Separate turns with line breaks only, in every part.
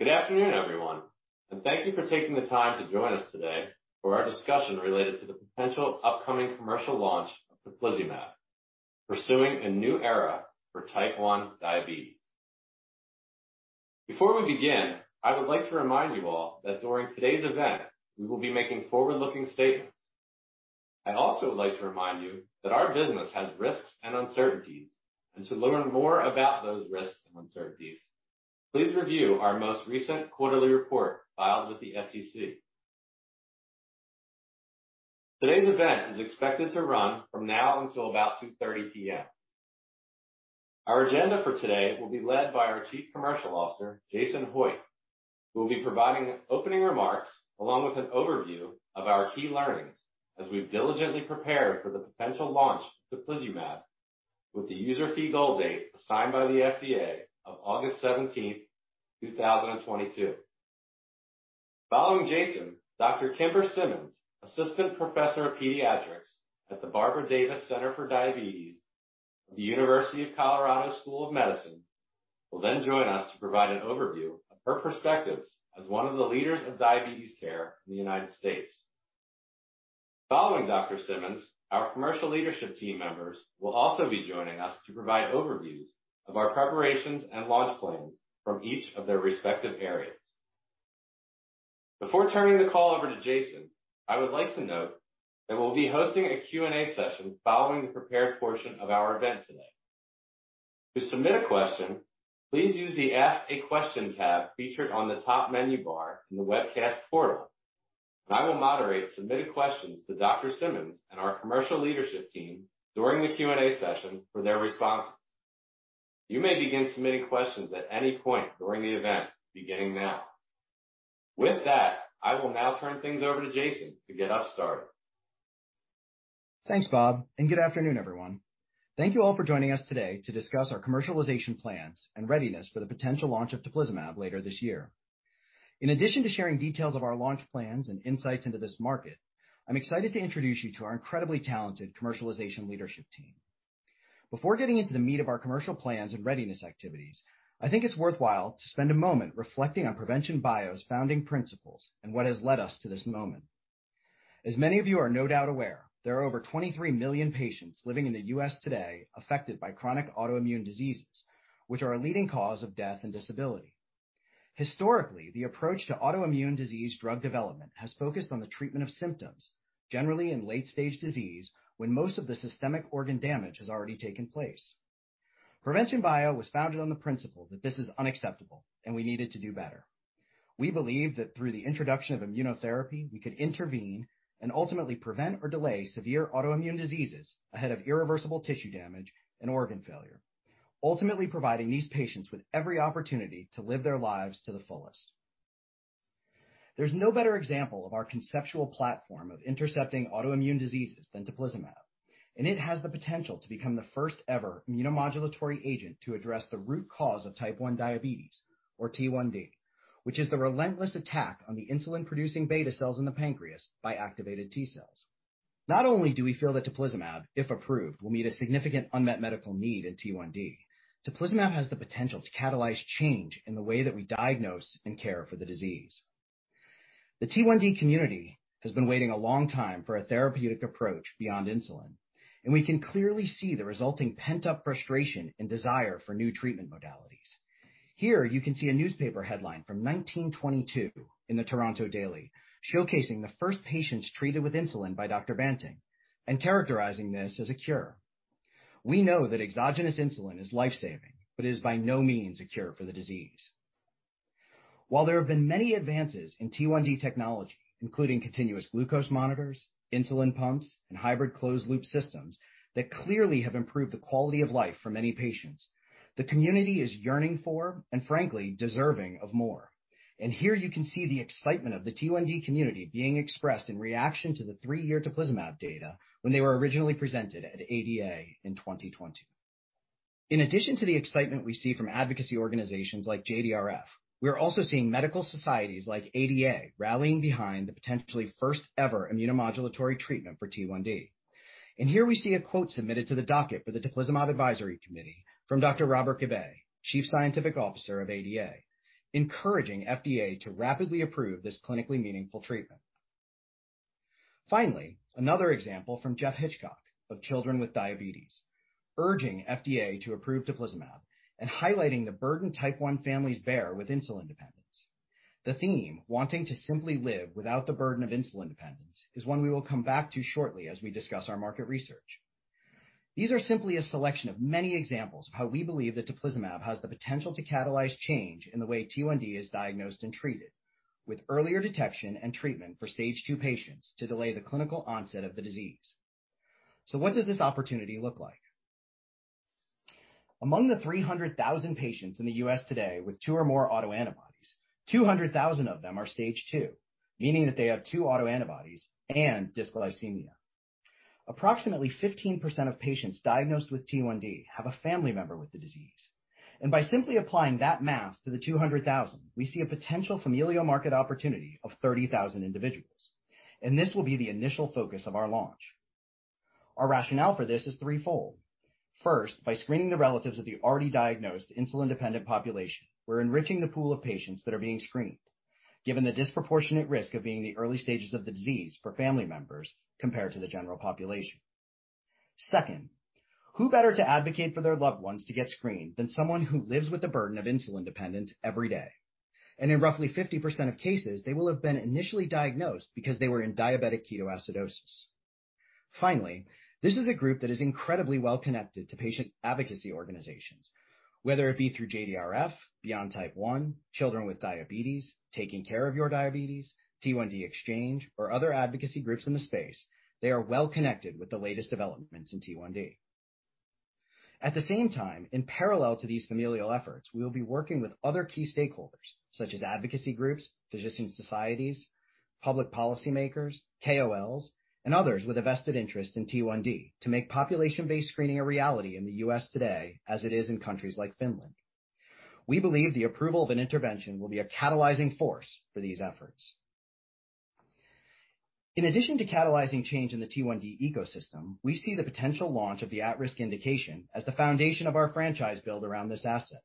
Good afternoon, everyone, and thank you for taking the time to join us today for our discussion related to the potential upcoming commercial launch of teplizumab, pursuing a new era for type 1 diabetes. Before we begin, I would like to remind you all that during today's event, we will be making forward-looking statements. I'd also like to remind you that our business has risks and uncertainties. To learn more about those risks and uncertainties, please review our most recent quarterly report filed with the SEC. Today's event is expected to run from now until about 2:30 PM. Our agenda for today will be led by our Chief Commercial Officer, Jason Hoitt, who will be providing opening remarks along with an overview of our key learnings as we've diligently prepared for the potential launch of teplizumab with the user fee goal date assigned by the FDA of August seventeenth, 2022. Following Jason, Dr. Kimber Simmons, Associate Professor of Pediatrics at the Barbara Davis Center for Diabetes of the University of Colorado School of Medicine, will then join us to provide an overview of her perspectives as one of the leaders of diabetes care in the United States. Following Dr. Simmons, our commercial leadership team members will also be joining us to provide overviews of our preparations and launch plans from each of their respective areas. Before turning the call over to Jason, I would like to note that we'll be hosting a Q&A session following the prepared portion of our event today. To submit a question, please use the Ask a Question tab featured on the top menu bar in the webcast portal, and I will moderate submitted questions to Dr. Simmons and our commercial leadership team during the Q&A session for their responses. You may begin submitting questions at any point during the event beginning now. With that, I will now turn things over to Jason to get us started.
Thanks, Bob, and good afternoon, everyone. Thank you all for joining us today to discuss our commercialization plans and readiness for the potential launch of teplizumab later this year. In addition to sharing details of our launch plans and insights into this market, I'm excited to introduce you to our incredibly talented commercialization leadership team. Before getting into the meat of our commercial plans and readiness activities, I think it's worthwhile to spend a moment reflecting on Provention Bio's founding principles and what has led us to this moment. As many of you are no doubt aware, there are over 23 million patients living in the U.S. today affected by chronic autoimmune diseases, which are a leading cause of death and disability. Historically, the approach to autoimmune disease drug development has focused on the treatment of symptoms, generally in late stage disease when most of the systemic organ damage has already taken place. Provention Bio was founded on the principle that this is unacceptable, and we needed to do better. We believe that through the introduction of immunotherapy, we could intervene and ultimately prevent or delay severe autoimmune diseases ahead of irreversible tissue damage and organ failure, ultimately providing these patients with every opportunity to live their lives to the fullest. There's no better example of our conceptual platform of intercepting autoimmune diseases than teplizumab, and it has the potential to become the first ever immunomodulatory agent to address the root cause of type one diabetes, or T1D, which is the relentless attack on the insulin producing beta cells in the pancreas by activated T cells. Not only do we feel that teplizumab, if approved, will meet a significant unmet medical need in T1D. Teplizumab has the potential to catalyze change in the way that we diagnose and care for the disease. The T1D community has been waiting a long time for a therapeutic approach beyond insulin, and we can clearly see the resulting pent-up frustration and desire for new treatment modalities. Here you can see a newspaper headline from 1922 in the Toronto Daily Star, showcasing the first patients treated with insulin by Dr. Banting and characterizing this as a cure. We know that exogenous insulin is life-saving, but is by no means a cure for the disease. While there have been many advances in T1D technology, including continuous glucose monitors, insulin pumps, and hybrid closed loop systems that clearly have improved the quality of life for many patients, the community is yearning for, and frankly, deserving of more. Here you can see the excitement of the T1D community being expressed in reaction to the three-year teplizumab data when they were originally presented at ADA in 2020. In addition to the excitement we see from advocacy organizations like JDRF, we are also seeing medical societies like ADA rallying behind the potentially first ever immunomodulatory treatment for T1D. Here we see a quote submitted to the docket for the teplizumab Advisory Committee from Dr. Robert Gabbay, Chief Scientific Officer of ADA, encouraging FDA to rapidly approve this clinically meaningful treatment. Finally, another example from Jeff Hitchcock of Children with Diabetes, urging FDA to approve teplizumab and highlighting the burden type one families bear with insulin dependence. The theme, wanting to simply live without the burden of insulin dependence, is one we will come back to shortly as we discuss our market research. These are simply a selection of many examples of how we believe that teplizumab has the potential to catalyze change in the way T1D is diagnosed and treated, with earlier detection and treatment for stage two patients to delay the clinical onset of the disease. What does this opportunity look like? Among the 300,000 patients in the U.S. today with two or more autoantibodies, 200,000 of them are stage two, meaning that they have two autoantibodies and dysglycemia. Approximately 15% of patients diagnosed with T1D have a family member with the disease. By simply applying that math to the 200,000, we see a potential familial market opportunity of 30,000 individuals, and this will be the initial focus of our launch. Our rationale for this is threefold. First, by screening the relatives of the already diagnosed insulin-dependent population, we're enriching the pool of patients that are being screened, given the disproportionate risk of being the early stages of the disease for family members compared to the general population. Second, who better to advocate for their loved ones to get screened than someone who lives with the burden of insulin dependence every day? In roughly 50% of cases, they will have been initially diagnosed because they were in diabetic ketoacidosis. Finally, this is a group that is incredibly well connected to patient advocacy organizations. Whether it be through JDRF, Beyond Type 1, Children with Diabetes, Taking Control Of Your Diabetes, T1D Exchange, or other advocacy groups in the space, they are well connected with the latest developments in T1D. At the same time, in parallel to these familial efforts, we will be working with other key stakeholders such as advocacy groups, physician societies, public policymakers, KOLs, and others with a vested interest in T1D to make population-based screening a reality in the U.S. today as it is in countries like Finland. We believe the approval of an intervention will be a catalyzing force for these efforts. In addition to catalyzing change in the T1D ecosystem, we see the potential launch of the at-risk indication as the foundation of our franchise build around this asset.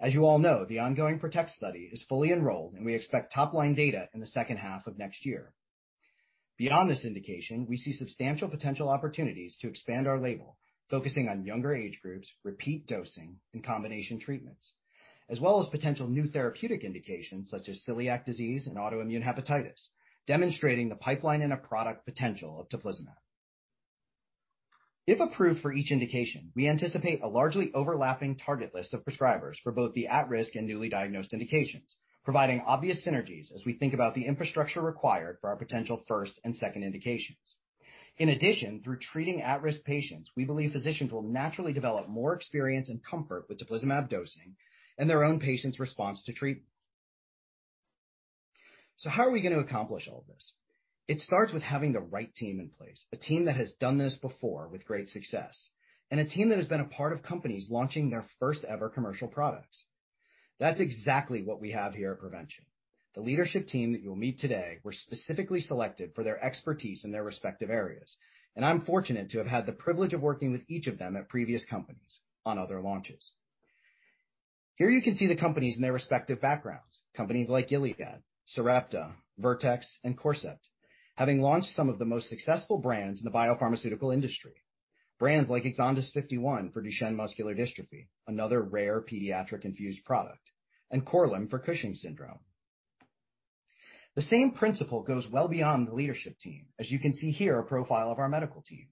As you all know, the ongoing PROTECT study is fully enrolled, and we expect top-line data in the second half of next year. Beyond this indication, we see substantial potential opportunities to expand our label, focusing on younger age groups, repeat dosing and combination treatments, as well as potential new therapeutic indications such as celiac disease and autoimmune hepatitis, demonstrating the pipeline and a product potential of teplizumab. If approved for each indication, we anticipate a largely overlapping target list of prescribers for both the at-risk and newly diagnosed indications, providing obvious synergies as we think about the infrastructure required for our potential first and second indications. In addition, through treating at-risk patients, we believe physicians will naturally develop more experience and comfort with teplizumab dosing and their own patients' response to treatment. How are we going to accomplish all of this? It starts with having the right team in place, a team that has done this before with great success, and a team that has been a part of companies launching their first ever commercial products. That's exactly what we have here at Provention Bio. The leadership team that you'll meet today were specifically selected for their expertise in their respective areas, and I'm fortunate to have had the privilege of working with each of them at previous companies on other launches. Here you can see the companies and their respective backgrounds. Companies like Gilead, Sarepta, Vertex, and Corcept, having launched some of the most successful brands in the biopharmaceutical industry. Brands like EXONDYS 51 for Duchenne muscular dystrophy, another rare pediatric infused product, and Korlym for Cushing's syndrome. The same principle goes well beyond the leadership team, as you can see here, a profile of our medical team.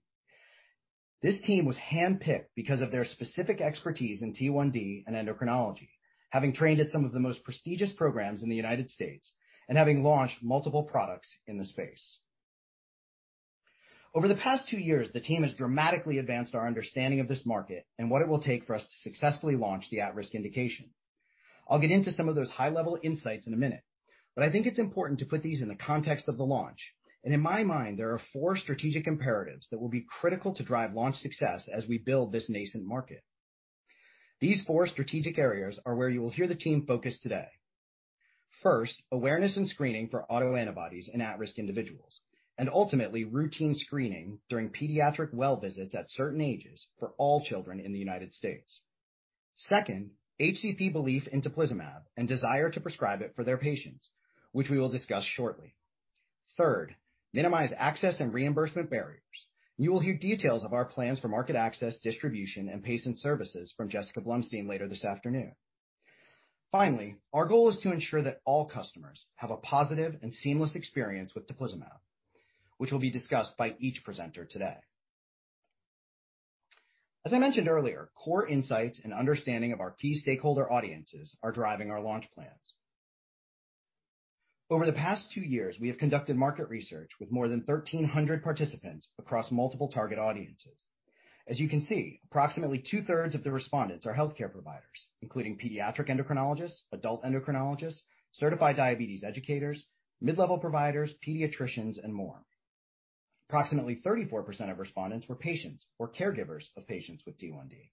This team was handpicked because of their specific expertise in T1D and endocrinology, having trained at some of the most prestigious programs in the United States and having launched multiple products in the space. Over the past two years, the team has dramatically advanced our understanding of this market and what it will take for us to successfully launch the at-risk indication. I'll get into some of those high-level insights in a minute, but I think it's important to put these in the context of the launch. In my mind, there are four strategic imperatives that will be critical to drive launch success as we build this nascent market. These four strategic areas are where you will hear the team focus today. First, awareness and screening for autoantibodies in at-risk individuals, and ultimately, routine screening during pediatric well visits at certain ages for all children in the United States. Second, HCP belief in teplizumab and desire to prescribe it for their patients, which we will discuss shortly. Third, minimize access and reimbursement barriers. You will hear details of our plans for market access, distribution, and patient services from Jessica Blumstein later this afternoon. Finally, our goal is to ensure that all customers have a positive and seamless experience with teplizumab, which will be discussed by each presenter today. As I mentioned earlier, core insights and understanding of our key stakeholder audiences are driving our launch plans. Over the past two years, we have conducted market research with more than 1,300 participants across multiple target audiences. As you can see, approximately two-thirds of the respondents are healthcare providers, including pediatric endocrinologists, adult endocrinologists, certified diabetes educators, mid-level providers, pediatricians, and more. Approximately 34% of respondents were patients or caregivers of patients with T1D.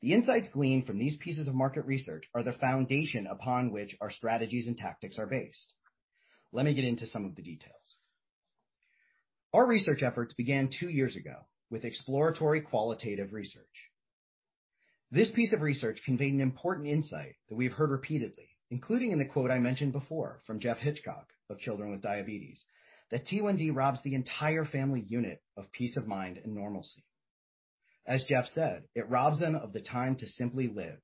The insights gleaned from these pieces of market research are the foundation upon which our strategies and tactics are based. Let me get into some of the details. Our research efforts began two years ago with exploratory qualitative research. This piece of research conveyed an important insight that we've heard repeatedly, including in the quote I mentioned before from Jeff Hitchcock of Children with Diabetes, that T1D robs the entire family unit of peace of mind and normalcy. As Jeff said, it robs them of the time to simply live.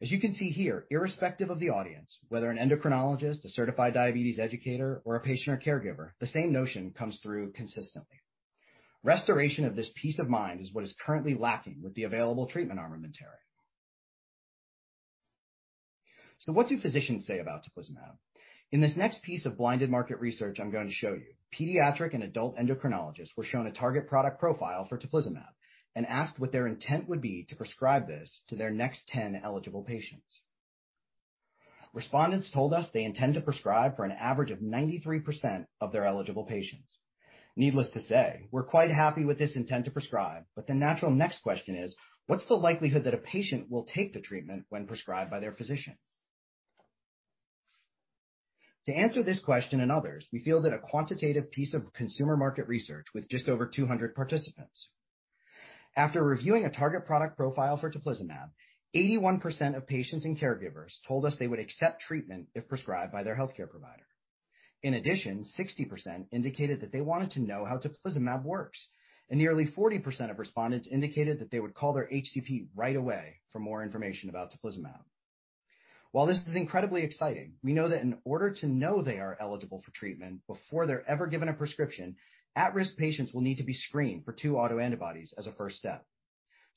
As you can see here, irrespective of the audience, whether an endocrinologist, a certified diabetes educator, or a patient or caregiver, the same notion comes through consistently. Restoration of this peace of mind is what is currently lacking with the available treatment armamentarium. What do physicians say about teplizumab? In this next piece of blinded market research I'm going to show you, pediatric and adult endocrinologists were shown a target product profile for teplizumab and asked what their intent would be to prescribe this to their next 10 eligible patients. Respondents told us they intend to prescribe for an average of 93% of their eligible patients. Needless to say, we're quite happy with this intent to prescribe, but the natural next question is, what's the likelihood that a patient will take the treatment when prescribed by their physician? To answer this question and others, we fielded a quantitative piece of consumer market research with just over 200 participants. After reviewing a target product profile for teplizumab, 81% of patients and caregivers told us they would accept treatment if prescribed by their healthcare provider. In addition, 60% indicated that they wanted to know how teplizumab works, and nearly 40% of respondents indicated that they would call their HCP right away for more information about teplizumab. While this is incredibly exciting, we know that in order to know they are eligible for treatment before they're ever given a prescription, at-risk patients will need to be screened for two autoantibodies as a first step.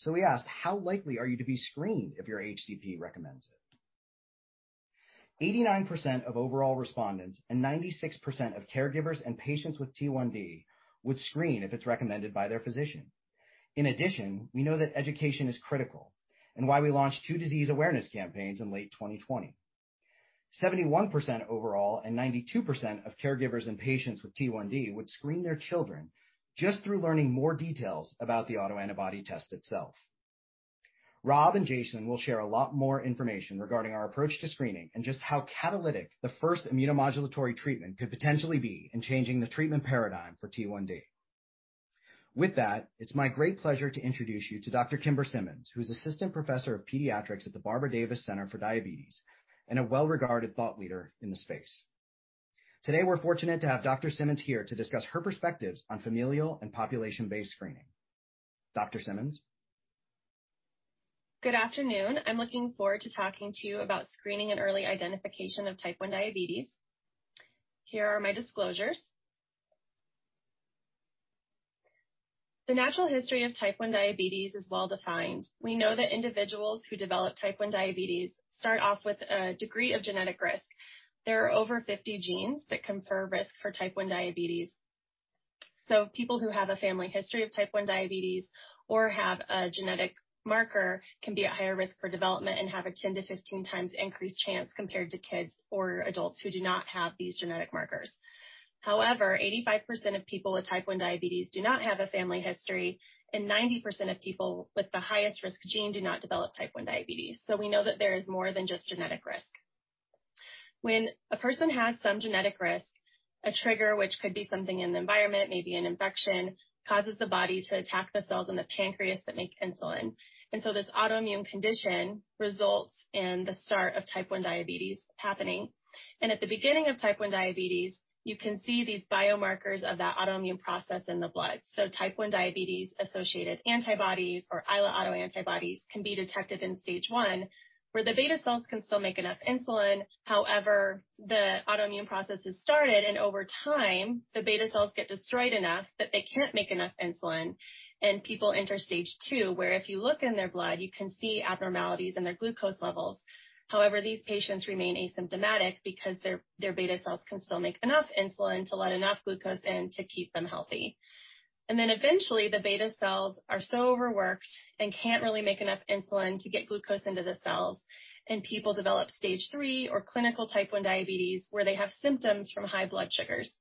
We asked, how likely are you to be screened if your HCP recommends it? 89% of overall respondents and 96% of caregivers and patients with T1D would screen if it's recommended by their physician. In addition, we know that education is critical and why we launched two disease awareness campaigns in late 2020. 71% overall and 92% of caregivers and patients with T1D would screen their children just through learning more details about the autoantibody test itself. Rob and Jason will share a lot more information regarding our approach to screening and just how catalytic the first immunomodulatory treatment could potentially be in changing the treatment paradigm for T1D. With that, it's my great pleasure to introduce you to Dr. Kimber Simmons, who's Associate Professor of Pediatrics at the Barbara Davis Center for Diabetes and a well-regarded thought leader in the space. Today, we're fortunate to have Dr. Simmons here to discuss her perspectives on familial and population-based screening. Dr. Simmons.
Good afternoon. I'm looking forward to talking to you about screening and early identification of type 1 diabetes. Here are my disclosures. The natural history of type 1 diabetes is well defined. We know that individuals who develop type 1 diabetes start off with a degree of genetic risk. There are over 50 genes that confer risk for type 1 diabetes. People who have a family history of type 1 diabetes or have a genetic marker can be at higher risk for development and have a 10-15 times increased chance compared to kids or adults who do not have these genetic markers. However, 85% of people with type 1 diabetes do not have a family history, and 90% of people with the highest risk gene do not develop type 1 diabetes. We know that there is more than just genetic risk. When a person has some genetic risk, a trigger which could be something in the environment, maybe an infection, causes the body to attack the cells in the pancreas that make insulin. This autoimmune condition results in the start of type 1 diabetes happening. At the beginning of type 1 diabetes, you can see these biomarkers of that autoimmune process in the blood. Type 1 diabetes associated antibodies or islet autoantibodies can be detected in stage 1, where the beta cells can still make enough insulin. However, the autoimmune process has started, and over time, the beta cells get destroyed enough that they can't make enough insulin. People enter stage 2, where if you look in their blood, you can see abnormalities in their glucose levels. However, these patients remain asymptomatic because their beta cells can still make enough insulin to let enough glucose in to keep them healthy. Eventually, the beta cells are so overworked and can't really make enough insulin to get glucose into the cells, and people develop stage 3 or clinical type 1 diabetes, where they have symptoms from high blood sugars.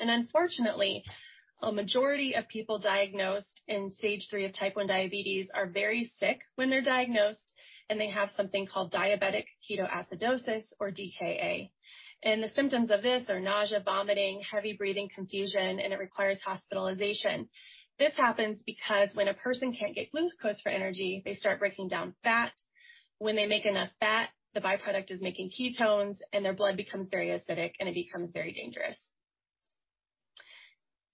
Unfortunately, a majority of people diagnosed in stage 3 of type 1 diabetes are very sick when they're diagnosed, and they have something called diabetic ketoacidosis or DKA. The symptoms of this are nausea, vomiting, heavy breathing, confusion, and it requires hospitalization. This happens because when a person can't get glucose for energy, they start breaking down fat. When they break down enough fat, the byproduct is making ketones, and their blood becomes very acidic, and it becomes very dangerous.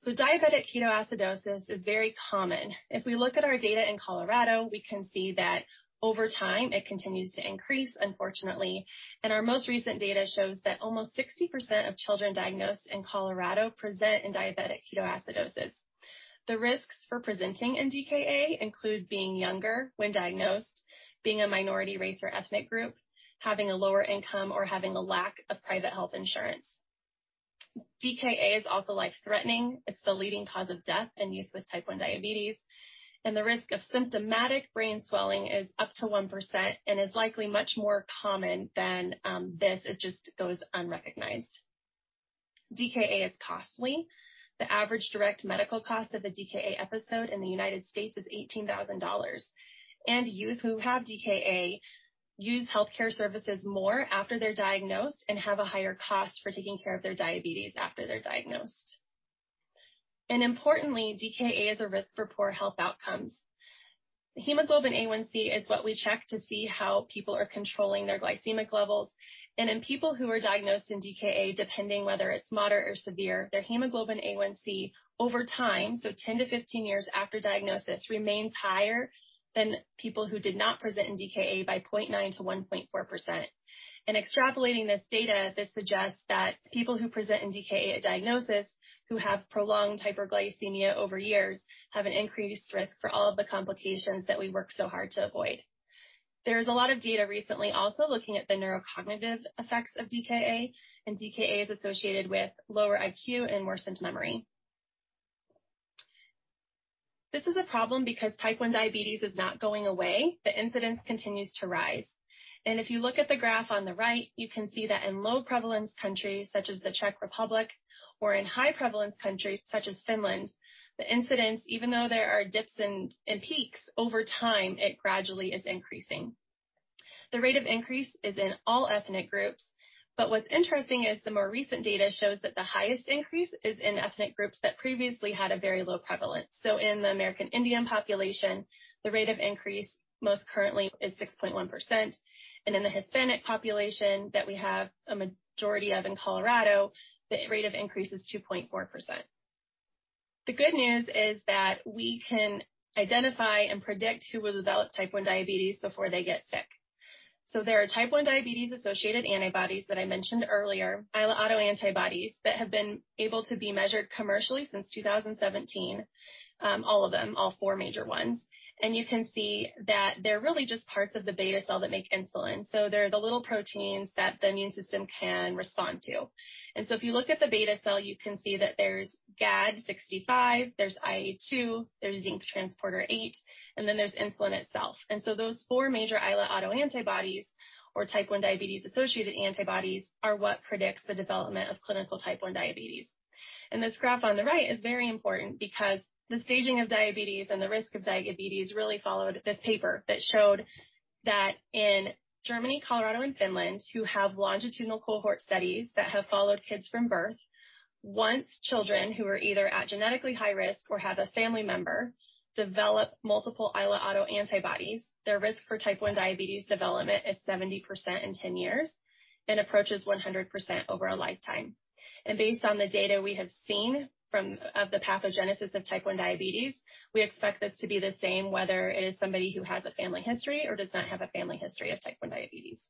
Diabetic ketoacidosis is very common. If we look at our data in Colorado, we can see that over time, it continues to increase, unfortunately. Our most recent data shows that almost 60% of children diagnosed in Colorado present in diabetic ketoacidosis. The risks for presenting in DKA include being younger when diagnosed, being a minority race or ethnic group, having a lower income, or having a lack of private health insurance. DKA is also life-threatening. It's the leading cause of death in youth with type 1 diabetes, and the risk of symptomatic brain swelling is up to 1% and is likely much more common than this. It just goes unrecognized. DKA is costly. The average direct medical cost of a DKA episode in the United States is $18,000. Youth who have DKA use healthcare services more after they're diagnosed and have a higher cost for taking care of their diabetes after they're diagnosed. Importantly, DKA is a risk for poor health outcomes. The hemoglobin A1c is what we check to see how people are controlling their glycemic levels. In people who are diagnosed in DKA, depending whether it's moderate or severe, their hemoglobin A1c over time, so 10-15 years after diagnosis, remains higher than people who did not present in DKA by 0.9%-1.4%. Extrapolating this data, this suggests that people who present in DKA at diagnosis, who have prolonged hyperglycemia over years, have an increased risk for all of the complications that we work so hard to avoid. There's a lot of data recently also looking at the neurocognitive effects of DKA, and DKA is associated with lower IQ and worsened memory. This is a problem because type 1 diabetes is not going away. The incidence continues to rise. If you look at the graph on the right, you can see that in low prevalence countries such as the Czech Republic or in high prevalence countries such as Finland, the incidence, even though there are dips and peaks, over time, it gradually is increasing. The rate of increase is in all ethnic groups. What's interesting is the more recent data shows that the highest increase is in ethnic groups that previously had a very low prevalence. In the American Indian population, the rate of increase most currently is 6.1%. In the Hispanic population that we have a majority of in Colorado, the rate of increase is 2.4%. The good news is that we can identify and predict who will develop type 1 diabetes before they get sick. There are type 1 diabetes-associated antibodies that I mentioned earlier, islet autoantibodies, that have been able to be measured commercially since 2017. All of them, all four major ones. You can see that they're really just parts of the beta cell that make insulin. They're the little proteins that the immune system can respond to. If you look at the beta cell, you can see that there's GAD65, there's IA-2, there's zinc transporter 8, and then there's insulin itself. Those four major islet autoantibodies or type 1 diabetes-associated antibodies are what predicts the development of clinical type 1 diabetes. This graph on the right is very important because the staging of diabetes and the risk of diabetes really followed this paper that showed that in Germany, Colorado and Finland, who have longitudinal cohort studies that have followed kids from birth, once children who are either at genetically high risk or have a family member develop multiple islet autoantibodies, their risk for type 1 diabetes development is 70% in 10 years and approaches 100% over a lifetime. Based on the data we have seen from of the pathogenesis of type 1 diabetes, we expect this to be the same, whether it is somebody who has a family history or does not have a family history of type 1 diabetes.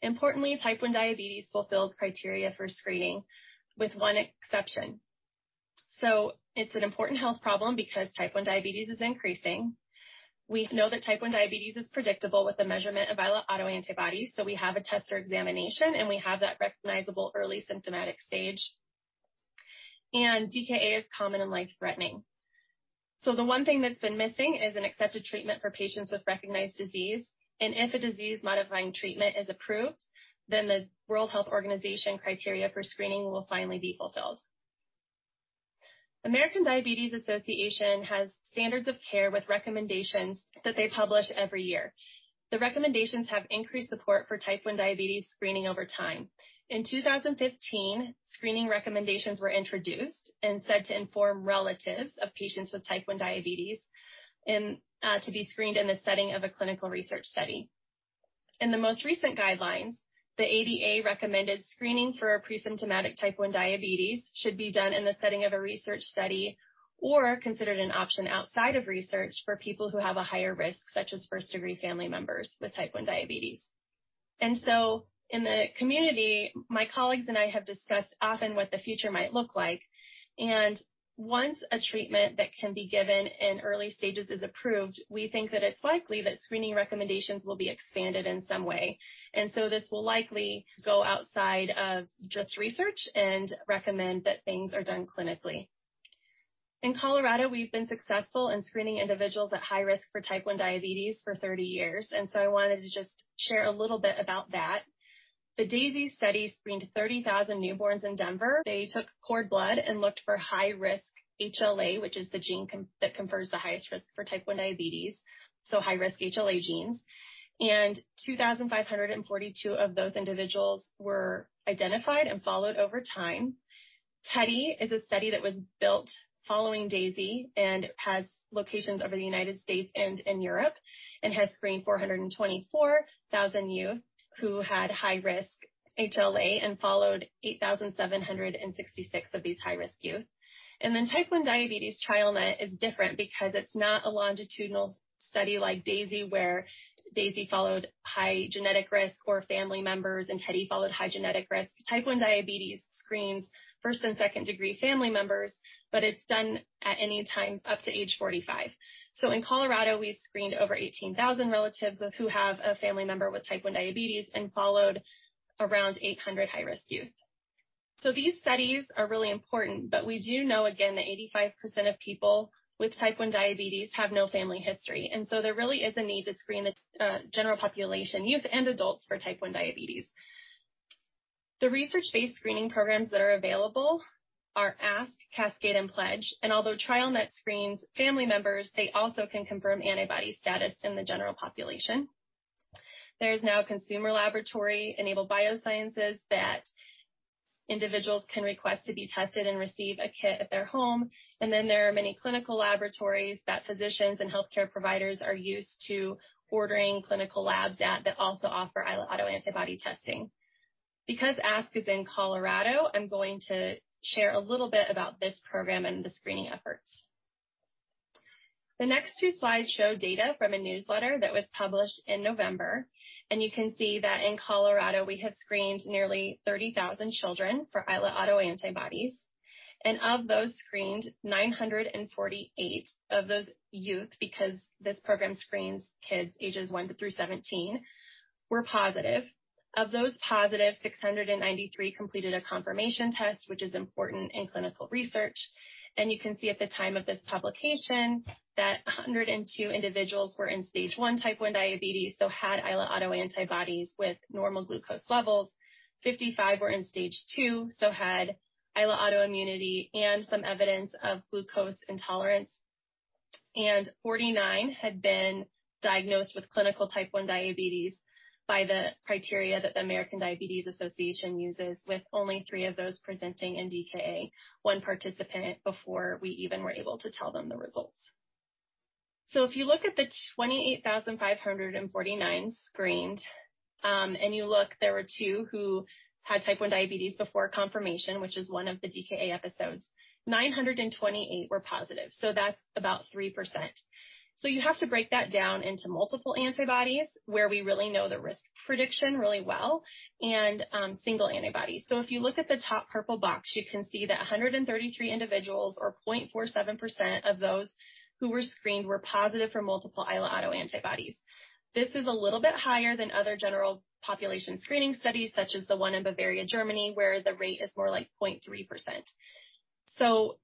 Importantly, type 1 diabetes fulfills criteria for screening, with one exception. It's an important health problem because type 1 diabetes is increasing. We know that type 1 diabetes is predictable with the measurement of islet autoantibodies. We have a test or examination, and we have that recognizable early symptomatic stage. DKA is common and life-threatening. The one thing that's been missing is an accepted treatment for patients with recognized disease. If a disease-modifying treatment is approved, then the World Health Organization criteria for screening will finally be fulfilled. American Diabetes Association has standards of care with recommendations that they publish every year. The recommendations have increased support for type 1 diabetes screening over time. In 2015, screening recommendations were introduced and said to inform relatives of patients with type 1 diabetes and to be screened in the setting of a clinical research study. In the most recent guidelines, the ADA recommended screening for presymptomatic type 1 diabetes should be done in the setting of a research study or considered an option outside of research for people who have a higher risk, such as first-degree family members with type 1 diabetes. In the community, my colleagues and I have discussed often what the future might look like. Once a treatment that can be given in early stages is approved, we think that it's likely that screening recommendations will be expanded in some way. This will likely go outside of just research and recommend that things are done clinically. In Colorado, we've been successful in screening individuals at high risk for type 1 diabetes for 30 years, and so I wanted to just share a little bit about that. The DAISY study screened 30,000 newborns in Denver. They took cord blood and looked for high-risk HLA, which is the gene that confers the highest risk for type 1 diabetes, so high-risk HLA genes. 2,542 of those individuals were identified and followed over time. TEDDY is a study that was built following DAISY and has locations over the United States and in Europe, and has screened 424,000 youth who had high-risk HLA and followed 8,766 of these high-risk youth. Type 1 Diabetes TrialNet is different because it's not a longitudinal study like DAISY, where DAISY followed high genetic risk or family members and TEDDY followed high genetic risk. Type 1 diabetes screens first and second-degree family members, but it's done at any time up to age 45. In Colorado, we've screened over 18,000 relatives who have a family member with type 1 diabetes and followed around 800 high-risk youth. These studies are really important. We do know, again, that 85% of people with type 1 diabetes have no family history, and so there really is a need to screen the general population, youth and adults, for type 1 diabetes. The research-based screening programs that are available are ASK, CASCADE, and PLEDGE. Although TrialNet screens family members, they also can confirm antibody status in the general population. There is now a consumer laboratory, Enable Biosciences, that individuals can request to be tested and receive a kit at their home. There are many clinical laboratories that physicians and healthcare providers are used to ordering clinical labs at that also offer islet autoantibody testing. Because ASK is in Colorado, I'm going to share a little bit about this program and the screening efforts. The next two slides show data from a newsletter that was published in November. You can see that in Colorado we have screened nearly 30,000 children for islet autoantibodies. Of those screened, 948 of those youth, because this program screens kids ages 1 through 17, were positive. Of those positive, 693 completed a confirmation test, which is important in clinical research. You can see at the time of this publication that 102 individuals were in stage one type 1 diabetes, so had islet autoantibodies with normal glucose levels. 55 were in stage two, so had islet autoimmunity, and some evidence of glucose intolerance. 49 had been diagnosed with clinical type 1 diabetes by the criteria that the American Diabetes Association uses, with only three of those presenting in DKA. One participant before we even were able to tell them the results. If you look at the 28,549 screened, and you look, there were two who had type 1 diabetes before confirmation, which is one of the DKA episodes. 928 were positive, so that's about 3%. You have to break that down into multiple antibodies, where we really know the risk prediction really well and single antibodies. If you look at the top purple box, you can see that 133 individuals or 0.47% of those who were screened were positive for multiple islet autoantibodies. This is a little bit higher than other general population screening studies, such as the one in Bavaria, Germany, where the rate is more like 0.3%.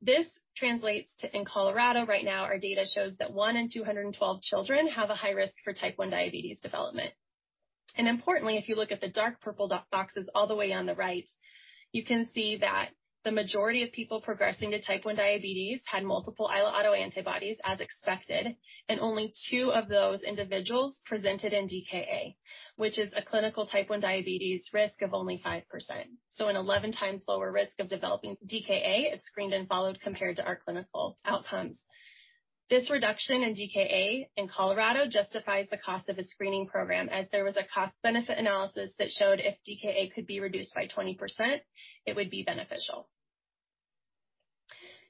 This translates to in Colorado right now, our data shows that one in 212 children have a high risk for type 1 diabetes development. Importantly, if you look at the dark purple do-boxes all the way on the right, you can see that the majority of people progressing to type 1 diabetes had multiple islet autoantibodies, as expected, and only two of those individuals presented in DKA, which is a clinical type 1 diabetes risk of only 5%. An 11 times lower risk of developing DKA is screened and followed compared to our clinical outcomes. This reduction in DKA in Colorado justifies the cost of a screening program, as there was a cost-benefit analysis that showed if DKA could be reduced by 20%, it would be beneficial.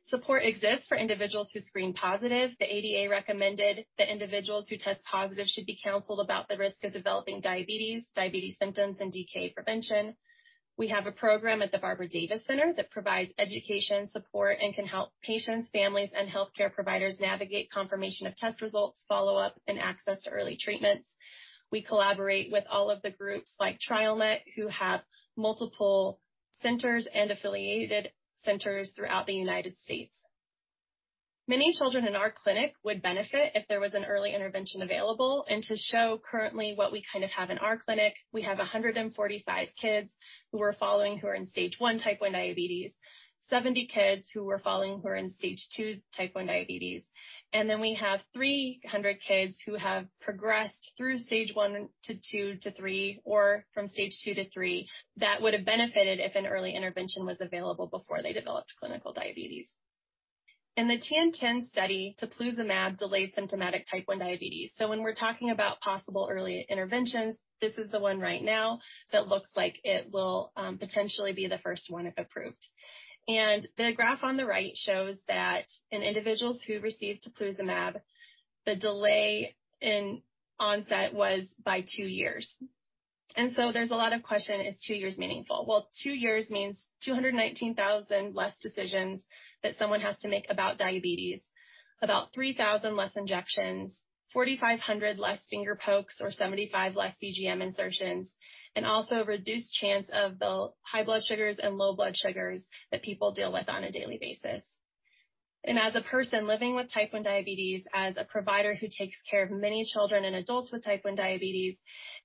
Support exists for individuals who screen positive. The ADA recommended that individuals who test positive should be counseled about the risk of developing diabetes symptoms, and DKA prevention. We have a program at the Barbara Davis Center that provides education, support, and can help patients, families, and healthcare providers navigate confirmation of test results, follow-up and access to early treatments. We collaborate with all of the groups like TrialNet, who have multiple centers and affiliated centers throughout the United States. Many children in our clinic would benefit if there was an early intervention available. To show currently what we kind of have in our clinic, we have 145 kids who we're following who are in stage 1 type 1 diabetes. 70 kids who we're following who are in stage 2 type 1 diabetes. We have 300 kids who have progressed through stage 1 to 2 to 3 or from stage 2 to 3 that would have benefited if an early intervention was available before they developed clinical diabetes. In the TN-10 study, teplizumab delayed symptomatic type 1 diabetes. When we're talking about possible early interventions, this is the one right now that looks like it will potentially be the first one if approved. The graph on the right shows that in individuals who received teplizumab, the delay in onset was by two years. There's a lot of question, is two years meaningful? Well, two years means 219,000 less decisions that someone has to make about diabetes, about 3,000 less injections, 4,500 less finger pokes, or 75 less CGM insertions, and also a reduced chance of the high blood sugars and low blood sugars that people deal with on a daily basis. As a person living with type 1 diabetes, as a provider who takes care of many children and adults with type 1 diabetes,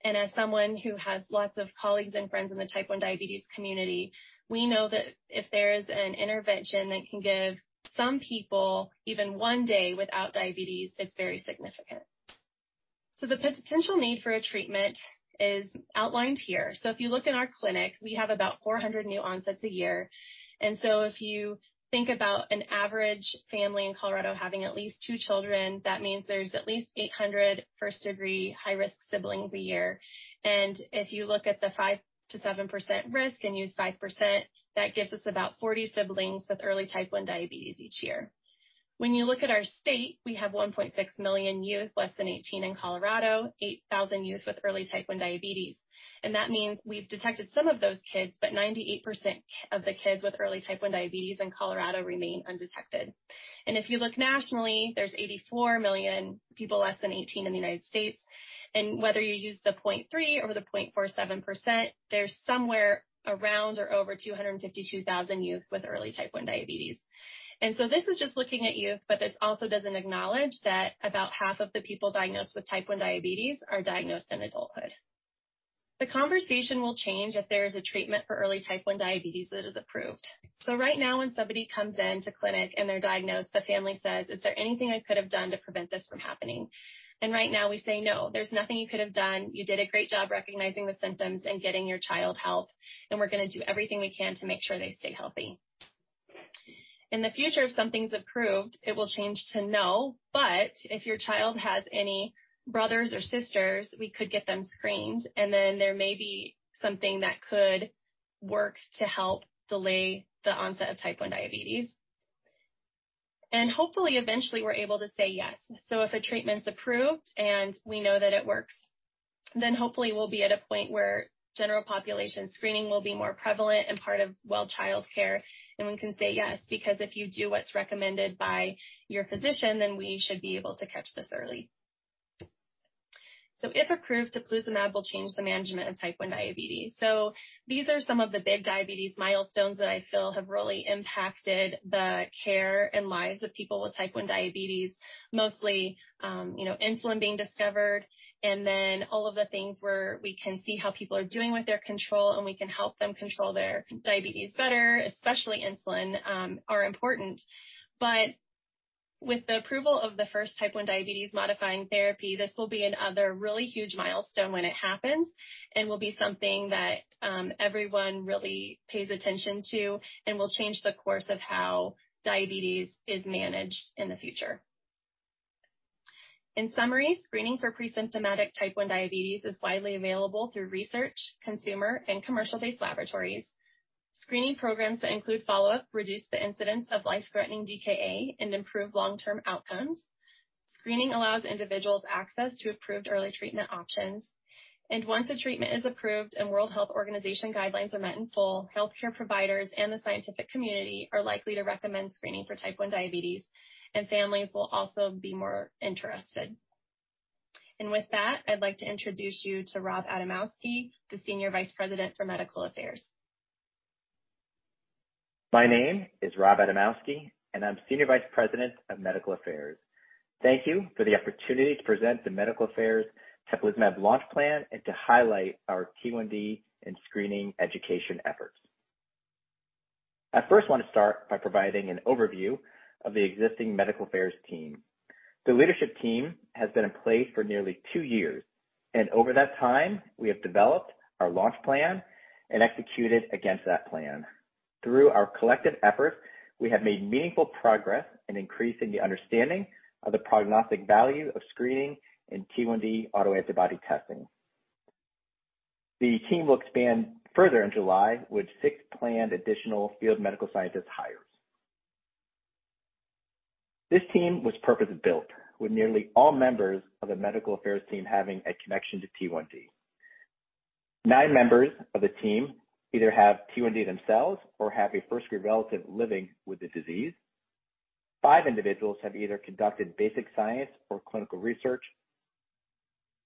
and as someone who has lots of colleagues and friends in the type 1 diabetes community, we know that if there is an intervention that can give some people even one day without diabetes, it's very significant. The potential need for a treatment is outlined here. If you look in our clinic, we have about 400 new onsets a year. If you think about an average family in Colorado having at least two children, that means there's at least 800 first-degree high-risk siblings a year. If you look at the 5%-7% risk and use 5%, that gives us about 40 siblings with early type 1 diabetes each year. When you look at our state, we have 1.6 million youth less than 18 in Colorado, 8,000 youth with early type 1 diabetes. That means we've detected some of those kids, but 98% of the kids with early type 1 diabetes in Colorado remain undetected. If you look nationally, there's 84 million people less than 18 in the United States. Whether you use the 0.3% or the 0.47%, there's somewhere around or over 252,000 youth with early type 1 diabetes. This is just looking at youth, but this also doesn't acknowledge that about half of the people diagnosed with type 1 diabetes are diagnosed in adulthood. The conversation will change if there is a treatment for early type 1 diabetes that is approved. Right now, when somebody comes into clinic and they're diagnosed, the family says, "Is there anything I could have done to prevent this from happening?" Right now, we say, "No, there's nothing you could have done. You did a great job recognizing the symptoms and getting your child help, and we're gonna do everything we can to make sure they stay healthy." In the future, if something's approved, it will change to no, but if your child has any brothers or sisters, we could get them screened, and then there may be something that could work to help delay the onset of type 1 diabetes. Hopefully, eventually, we're able to say yes. If a treatment's approved and we know that it works, then hopefully we'll be at a point where general population screening will be more prevalent and part of well child care, and we can say yes, because if you do what's recommended by your physician, then we should be able to catch this early. If approved, teplizumab will change the management of type 1 diabetes. These are some of the big diabetes milestones that I feel have really impacted the care and lives of people with type 1 diabetes, mostly, you know, insulin being discovered and then all of the things where we can see how people are doing with their control and we can help them control their diabetes better, especially insulin, are important. With the approval of the first type 1 diabetes modifying therapy, this will be another really huge milestone when it happens and will be something that everyone really pays attention to and will change the course of how diabetes is managed in the future. In summary, screening for pre-symptomatic type 1 diabetes is widely available through research, consumer, and commercial-based laboratories. Screening programs that include follow-up reduce the incidence of life-threatening DKA and improve long-term outcomes. Screening allows individuals access to approved early treatment options. Once a treatment is approved and World Health Organization guidelines are met in full, healthcare providers and the scientific community are likely to recommend screening for type 1 diabetes, and families will also be more interested. With that, I'd like to introduce you to Rob Adamoski, the Senior Vice President for Medical Affairs.
My name is Rob Adamoski, and I'm Senior Vice President of Medical Affairs. Thank you for the opportunity to present the Medical Affairs teplizumab launch plan and to highlight our T1D and screening education efforts. I first want to start by providing an overview of the existing medical affairs team. The leadership team has been in place for nearly two years, and over that time, we have developed our launch plan and executed against that plan. Through our collective efforts, we have made meaningful progress in increasing the understanding of the prognostic value of screening in T1D autoantibody testing. The team will expand further in July with six planned additional field medical scientist hires. This team was purpose-built, with nearly all members of the medical affairs team having a connection to T1D. Nine members of the team either have T1D themselves or have a first-degree relative living with the disease. Five individuals have either conducted basic science or clinical research,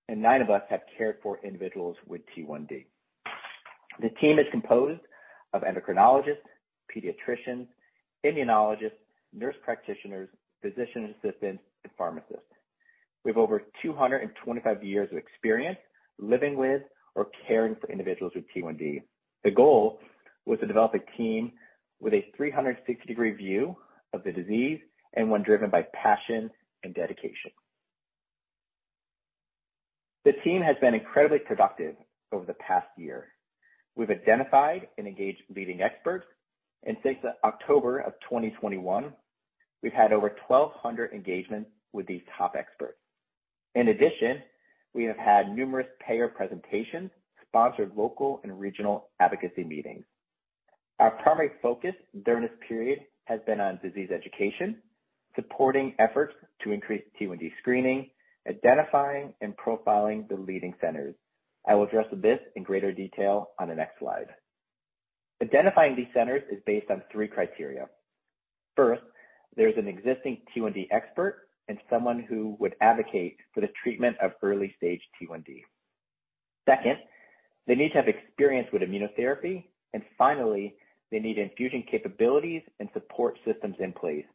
and nine of us have cared for individuals with T1D. The team is composed of endocrinologists, pediatricians, immunologists, nurse practitioners, physician assistants, and pharmacists. We have over 225 years of experience living with or caring for individuals with T1D. The goal was to develop a team with a 360-degree view of the disease and one driven by passion and dedication. The team has been incredibly productive over the past year. We've identified and engaged leading experts, and since October 2021, we've had over 1,200 engagements with these top experts. In addition, we have had numerous payer presentations, sponsored local and regional advocacy meetings. Our primary focus during this period has been on disease education, supporting efforts to increase T1D screening, identifying and profiling the leading centers. I will address this in greater detail on the next slide. Identifying these centers is based on three criteria. First, there's an existing T1D expert and someone who would advocate for the treatment of early-stage T1D. Second, they need to have experience with immunotherapy. Finally, they need infusion capabilities and support systems in place.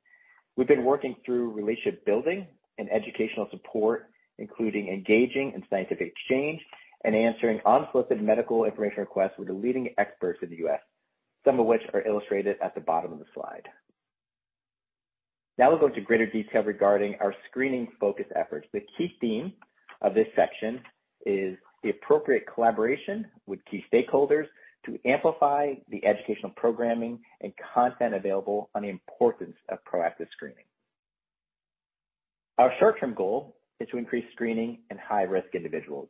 We've been working through relationship building and educational support, including engaging in scientific exchange and answering unsolicited medical information requests with the leading experts in the US, some of which are illustrated at the bottom of the slide. Now we'll go into greater detail regarding our screening focus efforts. The key theme of this section is the appropriate collaboration with key stakeholders to amplify the educational programming and content available on the importance of proactive screening. Our short-term goal is to increase screening in high-risk individuals.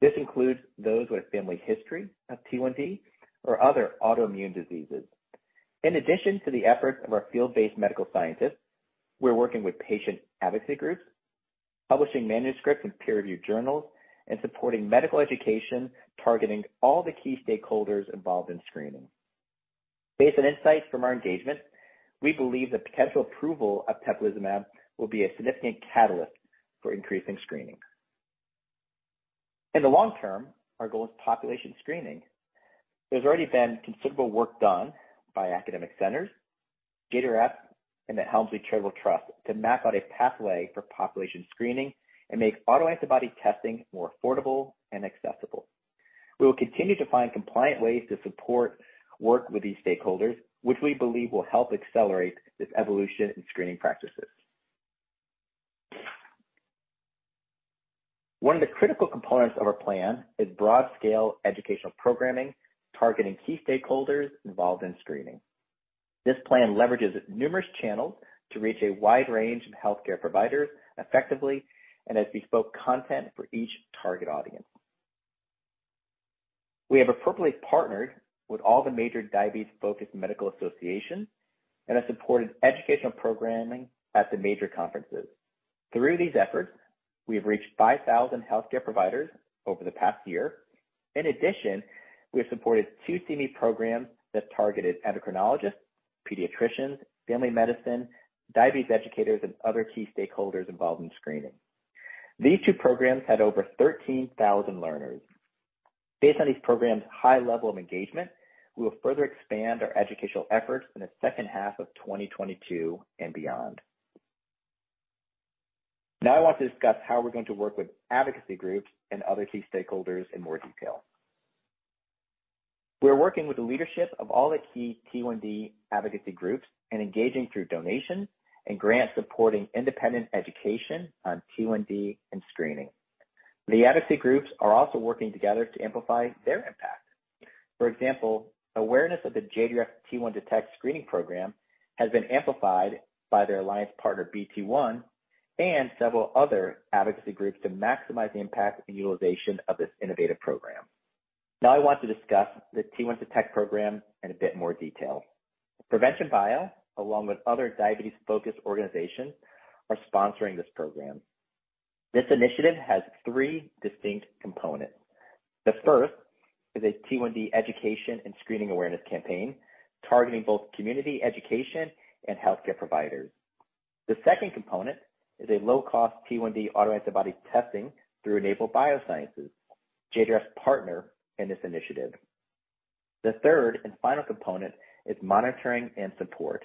This includes those with family history of T1D or other autoimmune diseases. In addition to the efforts of our field-based medical scientists, we're working with patient advocacy groups, publishing manuscripts in peer-reviewed journals, and supporting medical education, targeting all the key stakeholders involved in screening. Based on insights from our engagement, we believe the potential approval of teplizumab will be a significant catalyst for increasing screening. In the long term, our goal is population screening. There's already been considerable work done by academic centers, GatorApp, and the Helmsley Charitable Trust to map out a pathway for population screening and make autoantibody testing more affordable and accessible. We will continue to find compliant ways to support work with these stakeholders, which we believe will help accelerate this evolution in screening practices. One of the critical components of our plan is broad-scale educational programming targeting key stakeholders involved in screening. This plan leverages numerous channels to reach a wide range of healthcare providers effectively and has bespoke content for each target audience. We have appropriately partnered with all the major diabetes-focused medical associations and have supported educational programming at the major conferences. Through these efforts, we have reached 5,000 healthcare providers over the past year. In addition, we have supported two CME programs that targeted endocrinologists, pediatricians, family medicine, diabetes educators, and other key stakeholders involved in screening. These two programs had over 13,000 learners. Based on these programs' high level of engagement, we will further expand our educational efforts in the second half of 2022 and beyond. Now I want to discuss how we're going to work with advocacy groups and other key stakeholders in more detail. We're working with the leadership of all the key T1D advocacy groups and engaging through donations and grants supporting independent education on T1D and screening. The advocacy groups are also working together to amplify their impact. For example, awareness of the JDRF T1Detect screening program has been amplified by their alliance partner, BT1, and several other advocacy groups to maximize the impact and utilization of this innovative program. Now I want to discuss the T1Detect program in a bit more detail. Provention Bio, along with other diabetes-focused organizations, are sponsoring this program. This initiative has three distinct components. The first is a T1D education and screening awareness campaign targeting both community education and healthcare providers. The second component is a low-cost T1D autoantibody testing through Enable Biosciences, JDRF's partner in this initiative. The third and final component is monitoring and support.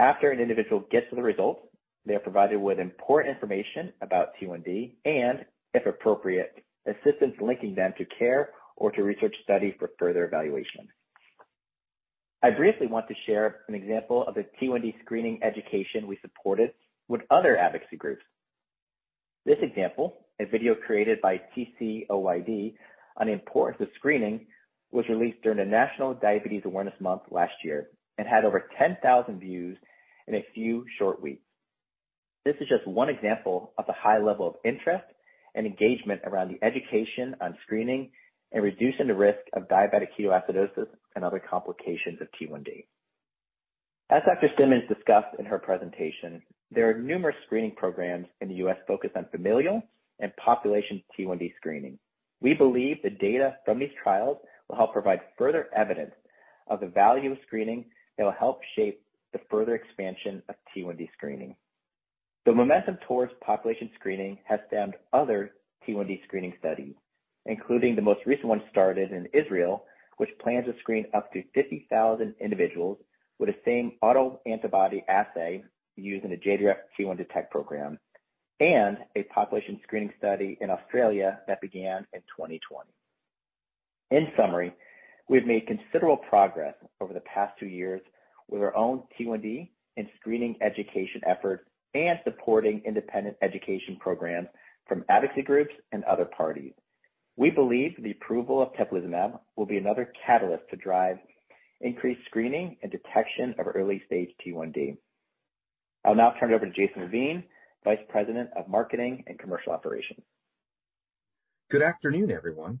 After an individual gets the results, they are provided with important information about T1D, and if appropriate, assistance linking them to care or to research studies for further evaluation. I briefly want to share an example of a T1D screening education we supported with other advocacy groups. This example, a video created by TCOYD on the importance of screening, was released during the National Diabetes Awareness Month last year and had over 10,000 views in a few short weeks. This is just one example of the high level of interest and engagement around the education on screening and reducing the risk of diabetic ketoacidosis and other complications of T1D. As Dr. Simmons discussed in her presentation, there are numerous screening programs in the U.S. focused on familial and population T1D screening. We believe the data from these trials will help provide further evidence of the value of screening that will help shape the further expansion of T1D screening. The momentum towards population screening has stemmed other T1D screening studies, including the most recent one started in Israel, which plans to screen up to 50,000 individuals with the same autoantibody assay used in the JDRF T1Detect program, and a population screening study in Australia that began in 2020. In summary, we've made considerable progress over the past two years with our own T1D and screening education efforts and supporting independent education programs from advocacy groups and other parties. We believe the approval of teplizumab will be another catalyst to drive increased screening and detection of early stage T1D. I'll now turn it over to Jason Levine, Vice President of Marketing and Commercial Operations.
Good afternoon, everyone.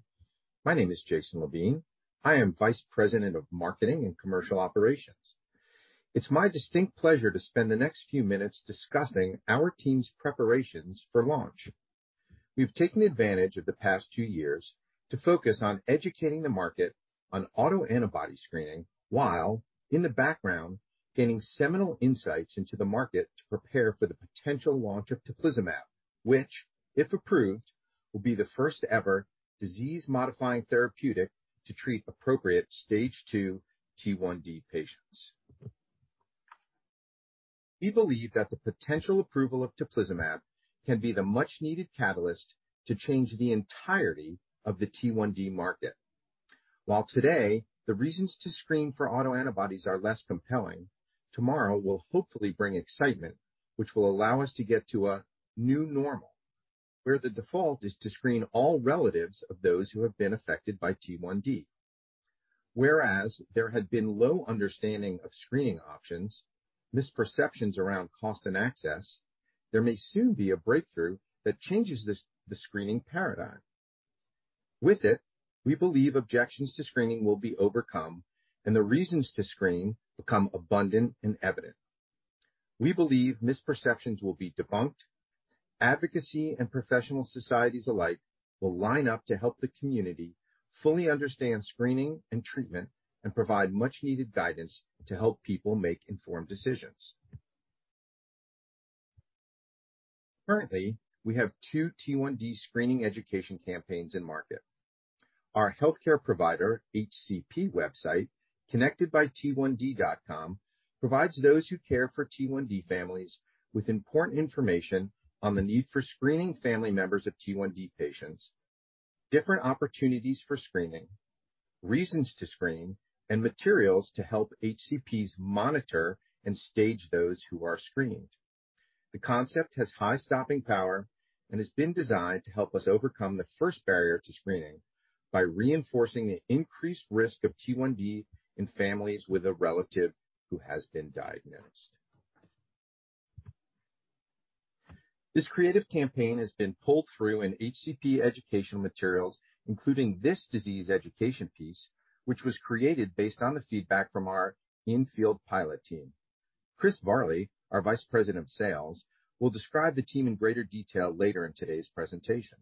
My name is Jason Levine. I am Vice President of Marketing and Commercial Operations. It's my distinct pleasure to spend the next few minutes discussing our team's preparations for launch. We've taken advantage of the past two years to focus on educating the market on autoantibody screening, while in the background, gaining seminal insights into the market to prepare for the potential launch of teplizumab, which, if approved, will be the first ever disease-modifying therapeutic to treat appropriate stage two T1D patients. We believe that the potential approval of teplizumab can be the much-needed catalyst to change the entirety of the T1D market. While today, the reasons to screen for autoantibodies are less compelling, tomorrow will hopefully bring excitement, which will allow us to get to a new normal, where the default is to screen all relatives of those who have been affected by T1D. Whereas there had been low understanding of screening options, misperceptions around cost and access, there may soon be a breakthrough that changes the screening paradigm. With it, we believe objections to screening will be overcome and the reasons to screen become abundant and evident. We believe misperceptions will be debunked, advocacy and professional societies alike will line up to help the community fully understand screening and treatment and provide much-needed guidance to help people make informed decisions. Currently, we have two T1D screening education campaigns in market. Our healthcare provider, HCP website, ConnectedByT1D.com, provides those who care for T1D families with important information on the need for screening family members of T1D patients, different opportunities for screening, reasons to screen, and materials to help HCPs monitor and stage those who are screened. The concept has high stopping power and has been designed to help us overcome the first barrier to screening by reinforcing the increased risk of T1D in families with a relative who has been diagnosed. This creative campaign has been pulled through in HCP educational materials, including this disease education piece, which was created based on the feedback from our in-field pilot team. Chris Marley, our Vice President of Sales, will describe the team in greater detail later in today's presentation.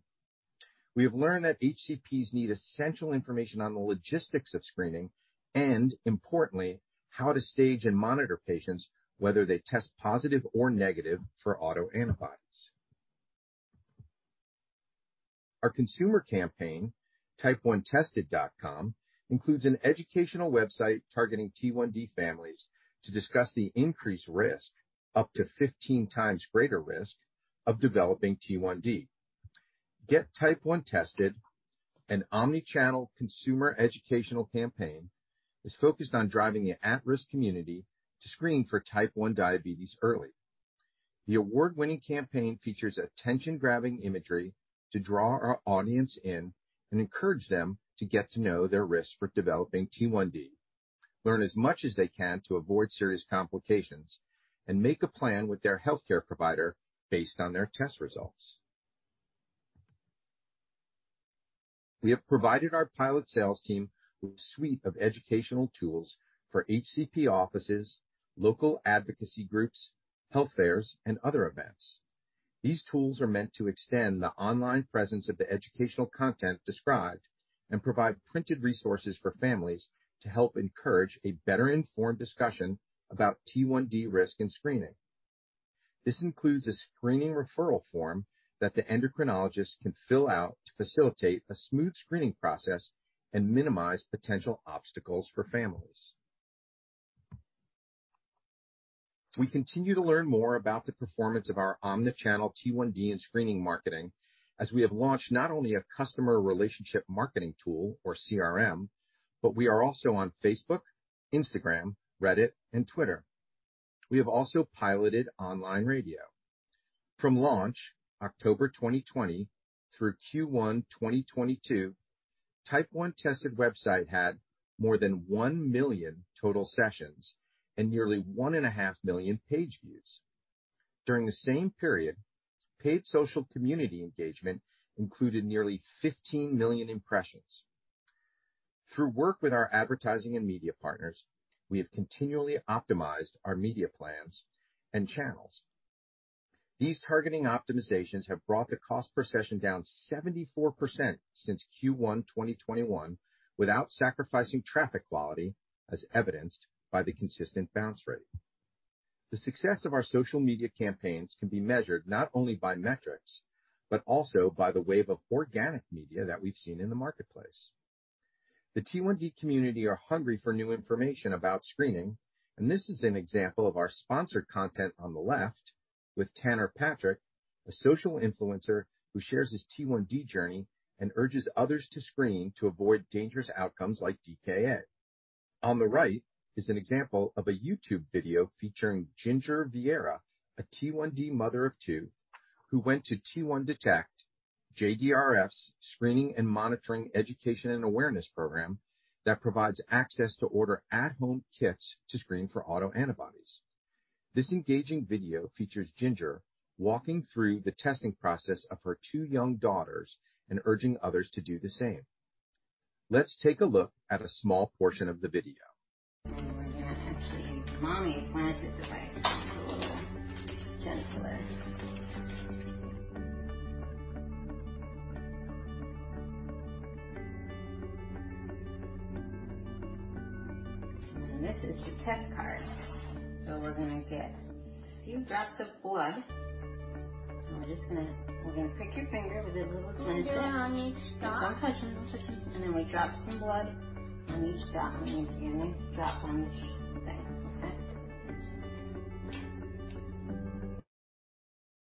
We have learned that HCPs need essential information on the logistics of screening and importantly, how to stage and monitor patients, whether they test positive or negative for autoantibodies. Our consumer campaign, Type1Tested.com, includes an educational website targeting T1D families to discuss the increased risk, up to 15 times greater risk, of developing T1D. Get TypeOneTested, an omni-channel consumer educational campaign, is focused on driving the at-risk community to screen for type 1 diabetes early. The award-winning campaign features attention-grabbing imagery to draw our audience in and encourage them to get to know their risk for developing T1D, learn as much as they can to avoid serious complications, and make a plan with their healthcare provider based on their test results. We have provided our pilot sales team with a suite of educational tools for HCP offices, local advocacy groups, health fairs, and other events. These tools are meant to extend the online presence of the educational content described and provide printed resources for families to help encourage a better-informed discussion about T1D risk and screening. This includes a screening referral form that the endocrinologist can fill out to facilitate a smooth screening process and minimize potential obstacles for families. We continue to learn more about the performance of our omni-channel T1D and screening marketing as we have launched not only a customer relationship marketing tool or CRM, but we are also on Facebook, Instagram, Reddit, and Twitter. We have also piloted online radio. From launch October 2020 through Q1 2022, TypeOneTested website had more than 1 million total sessions and nearly 1.5 million page views. During the same period, paid social community engagement included nearly 15 million impressions. Through work with our advertising and media partners, we have continually optimized our media plans and channels. These targeting optimizations have brought the cost per session down 74% since Q1 2021 without sacrificing traffic quality, as evidenced by the consistent bounce rate. The success of our social media campaigns can be measured not only by metrics, but also by the wave of organic media that we've seen in the marketplace. The T1D community are hungry for new information about screening, and this is an example of our sponsored content on the left with Tanner Patrick, a social influencer who shares his T1D journey and urges others to screen to avoid dangerous outcomes like DKA. On the right is an example of a YouTube video featuring Ginger Vieira, a T1D mother of two who went to T1Detect, JDRF's screening and monitoring education and awareness program that provides access to order at home kits to screen for autoantibodies. This engaging video features Ginger walking through the testing process of her two young daughters and urging others to do the same. Let's take a look at a small portion of the video.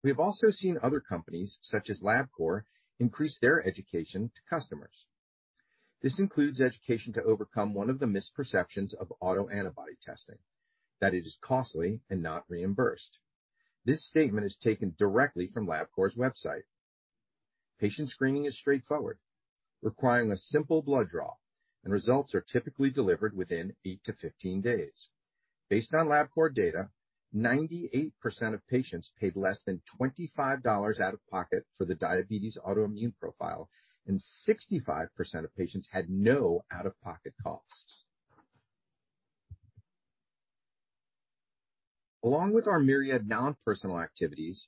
We have also seen other companies, such as Labcorp, increase their education to customers. This includes education to overcome one of the misperceptions of autoantibody testing, that it is costly and not reimbursed. This statement is taken directly from Labcorp's website. Patient screening is straightforward, requiring a simple blood draw, and results are typically delivered within 8-15 days. Based on Labcorp data, 98% of patients paid less than $25 out of pocket for the diabetes autoimmune profile, and 65% of patients had no out of pocket costs. Along with our myriad non-personal activities,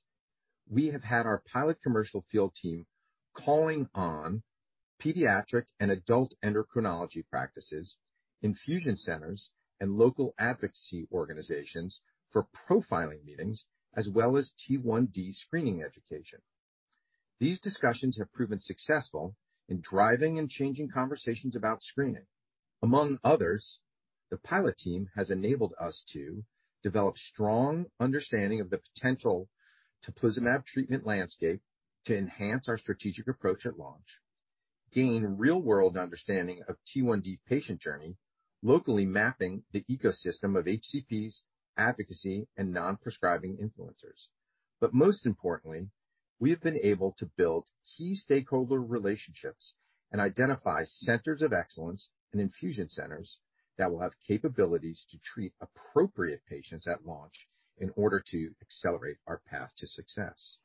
we have had our pilot commercial field team calling on pediatric and adult endocrinology practices, infusion centers, and local advocacy organizations for profiling meetings as well as T1D screening education. These discussions have proven successful in driving and changing conversations about screening. Among others, the pilot team has enabled us to develop strong understanding of the potential teplizumab treatment landscape to enhance our strategic approach at launch, gain real-world understanding of T1D patient journey, locally mapping the ecosystem of HCPs, advocacy, and non-prescribing influencers. Most importantly, we have been able to build key stakeholder relationships and identify centers of excellence and infusion centers that will have capabilities to treat appropriate patients at launch in order to accelerate our path to success.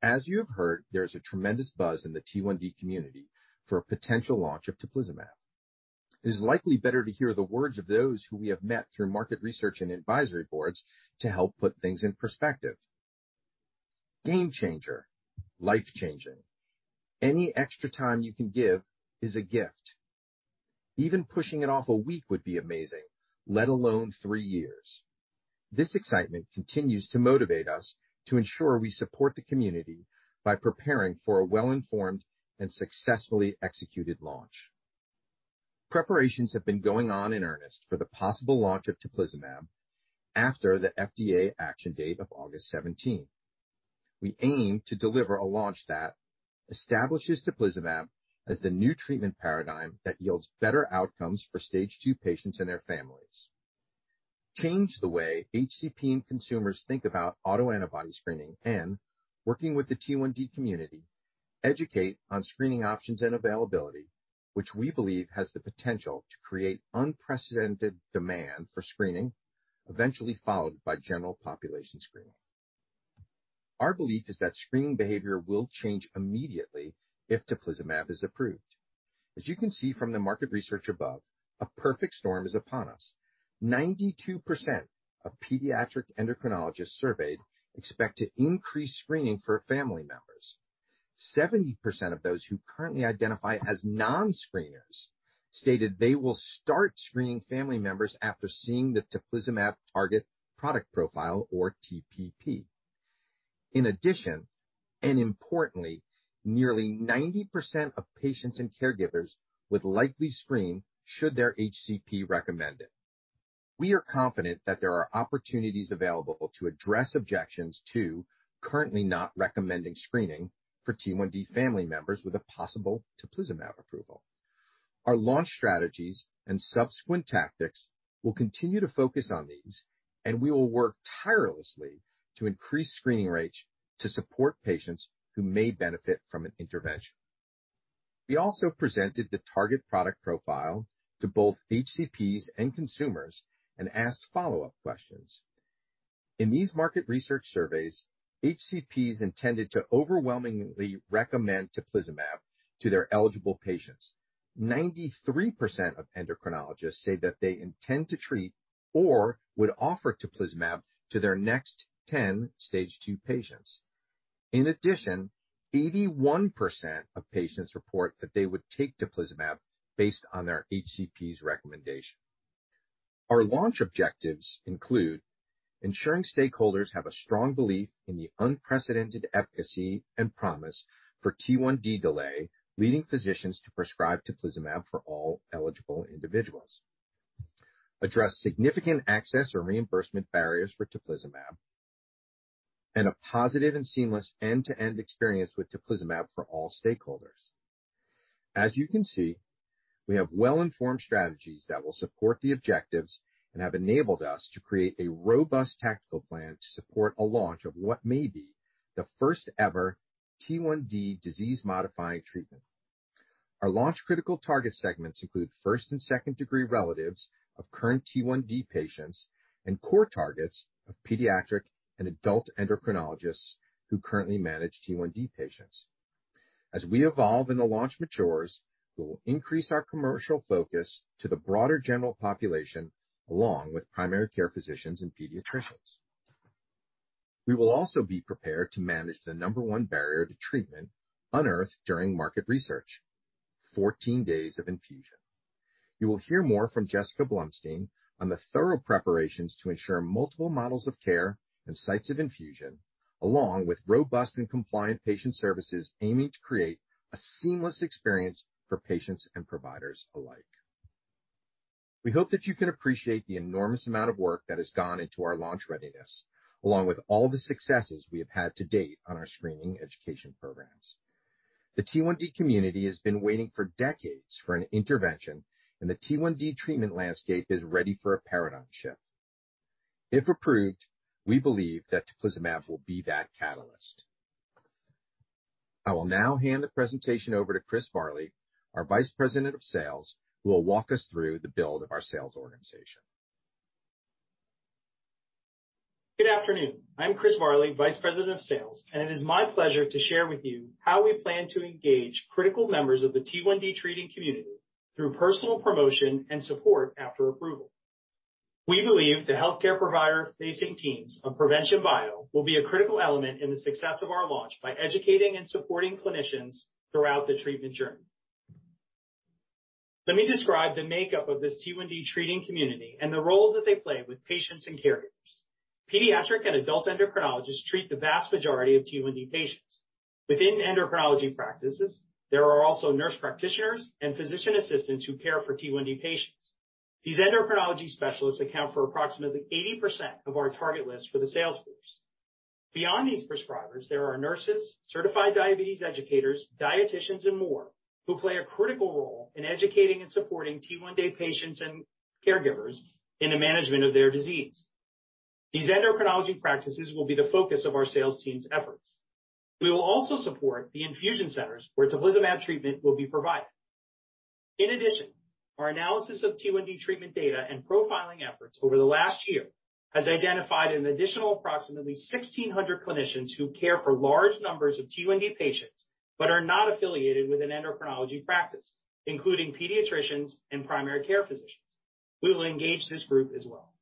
As you have heard, there's a tremendous buzz in the T1D community for a potential launch of teplizumab. It is likely better to hear the words of those who we have met through market research and advisory boards to help put things in perspective. Game changer. Life changing. Any extra time you can give is a gift. Even pushing it off a week would be amazing, let alone three years. This excitement continues to motivate us to ensure we support the community by preparing for a well-informed and successfully executed launch. Preparations have been going on in earnest for the possible launch of teplizumab after the FDA action date of August seventeenth. We aim to deliver a launch that establishes teplizumab as the new treatment paradigm that yields better outcomes for stage 2 patients and their families, change the way HCP and consumers think about autoantibody screening and working with the T1D community, educate on screening options and availability, which we believe has the potential to create unprecedented demand for screening, eventually followed by general population screening. Our belief is that screening behavior will change immediately if teplizumab is approved. As you can see from the market research above, a perfect storm is upon us. 92% of pediatric endocrinologists surveyed expect to increase screening for family members. 70% of those who currently identify as non-screeners stated they will start screening family members after seeing the teplizumab target product profile, or TPP. In addition, and importantly, nearly 90% of patients and caregivers would likely screen should their HCP recommend it. We are confident that there are opportunities available to address objections to currently not recommending screening for T1D family members with a possible teplizumab approval. Our launch strategies and subsequent tactics will continue to focus on these, and we will work tirelessly to increase screening rates to support patients who may benefit from an intervention. We also presented the target product profile to both HCPs and consumers and asked follow-up questions. In these market research surveys, HCPs intended to overwhelmingly recommend teplizumab to their eligible patients. 93% of endocrinologists say that they intend to treat or would offer teplizumab to their next 10 stage 2 patients. In addition, 81% of patients report that they would take teplizumab based on their HCPs recommendation. Our launch objectives include ensuring stakeholders have a strong belief in the unprecedented efficacy and promise for T1D delay, leading physicians to prescribe teplizumab for all eligible individuals. Address significant access or reimbursement barriers for teplizumab, and a positive and seamless end-to-end experience with teplizumab for all stakeholders. As you can see, we have well-informed strategies that will support the objectives and have enabled us to create a robust tactical plan to support a launch of what may be the first ever T1D disease-modifying treatment. Our launch critical target segments include first and second-degree relatives of current T1D patients and core targets of pediatric and adult endocrinologists who currently manage T1D patients. As we evolve and the launch matures, we will increase our commercial focus to the broader general population, along with primary care physicians and pediatricians. We will also be prepared to manage the number one barrier to treatment unearthed during market research, 14 days of infusion. You will hear more from Jessica Blumstein on the thorough preparations to ensure multiple models of care and sites of infusion, along with robust and compliant patient services aiming to create a seamless experience for patients and providers alike. We hope that you can appreciate the enormous amount of work that has gone into our launch readiness, along with all the successes we have had to date on our screening education programs. The T1D community has been waiting for decades for an intervention, and the T1D treatment landscape is ready for a paradigm shift. If approved, we believe that teplizumab will be that catalyst. I will now hand the presentation over to Chris Marley, our Vice President of Sales, who will walk us through the build of our sales organization.
Good afternoon. I'm Chris Marley, Vice President of Sales, and it is my pleasure to share with you how we plan to engage critical members of the T1D treating community through personal promotion and support after approval. We believe the healthcare provider facing teams of Provention Bio will be a critical element in the success of our launch by educating and supporting clinicians throughout the treatment journey. Let me describe the makeup of this T1D treating community and the roles that they play with patients and caregivers. Pediatric and adult endocrinologists treat the vast majority of T1D patients. Within endocrinology practices, there are also nurse practitioners and physician assistants who care for T1D patients. These endocrinology specialists account for approximately 80% of our target list for the sales force. Beyond these prescribers, there are nurses, certified diabetes educators, dietitians, and more, who play a critical role in educating and supporting T1D patients and caregivers in the management of their disease. These endocrinology practices will be the focus of our sales team's efforts. We will also support the infusion centers where teplizumab treatment will be provided. In addition, our analysis of T1D treatment data and profiling efforts over the last year has identified an additional approximately 1,600 clinicians who care for large numbers of T1D patients but are not affiliated with an endocrinology practice, including pediatricians and primary care physicians. We will engage this group as well.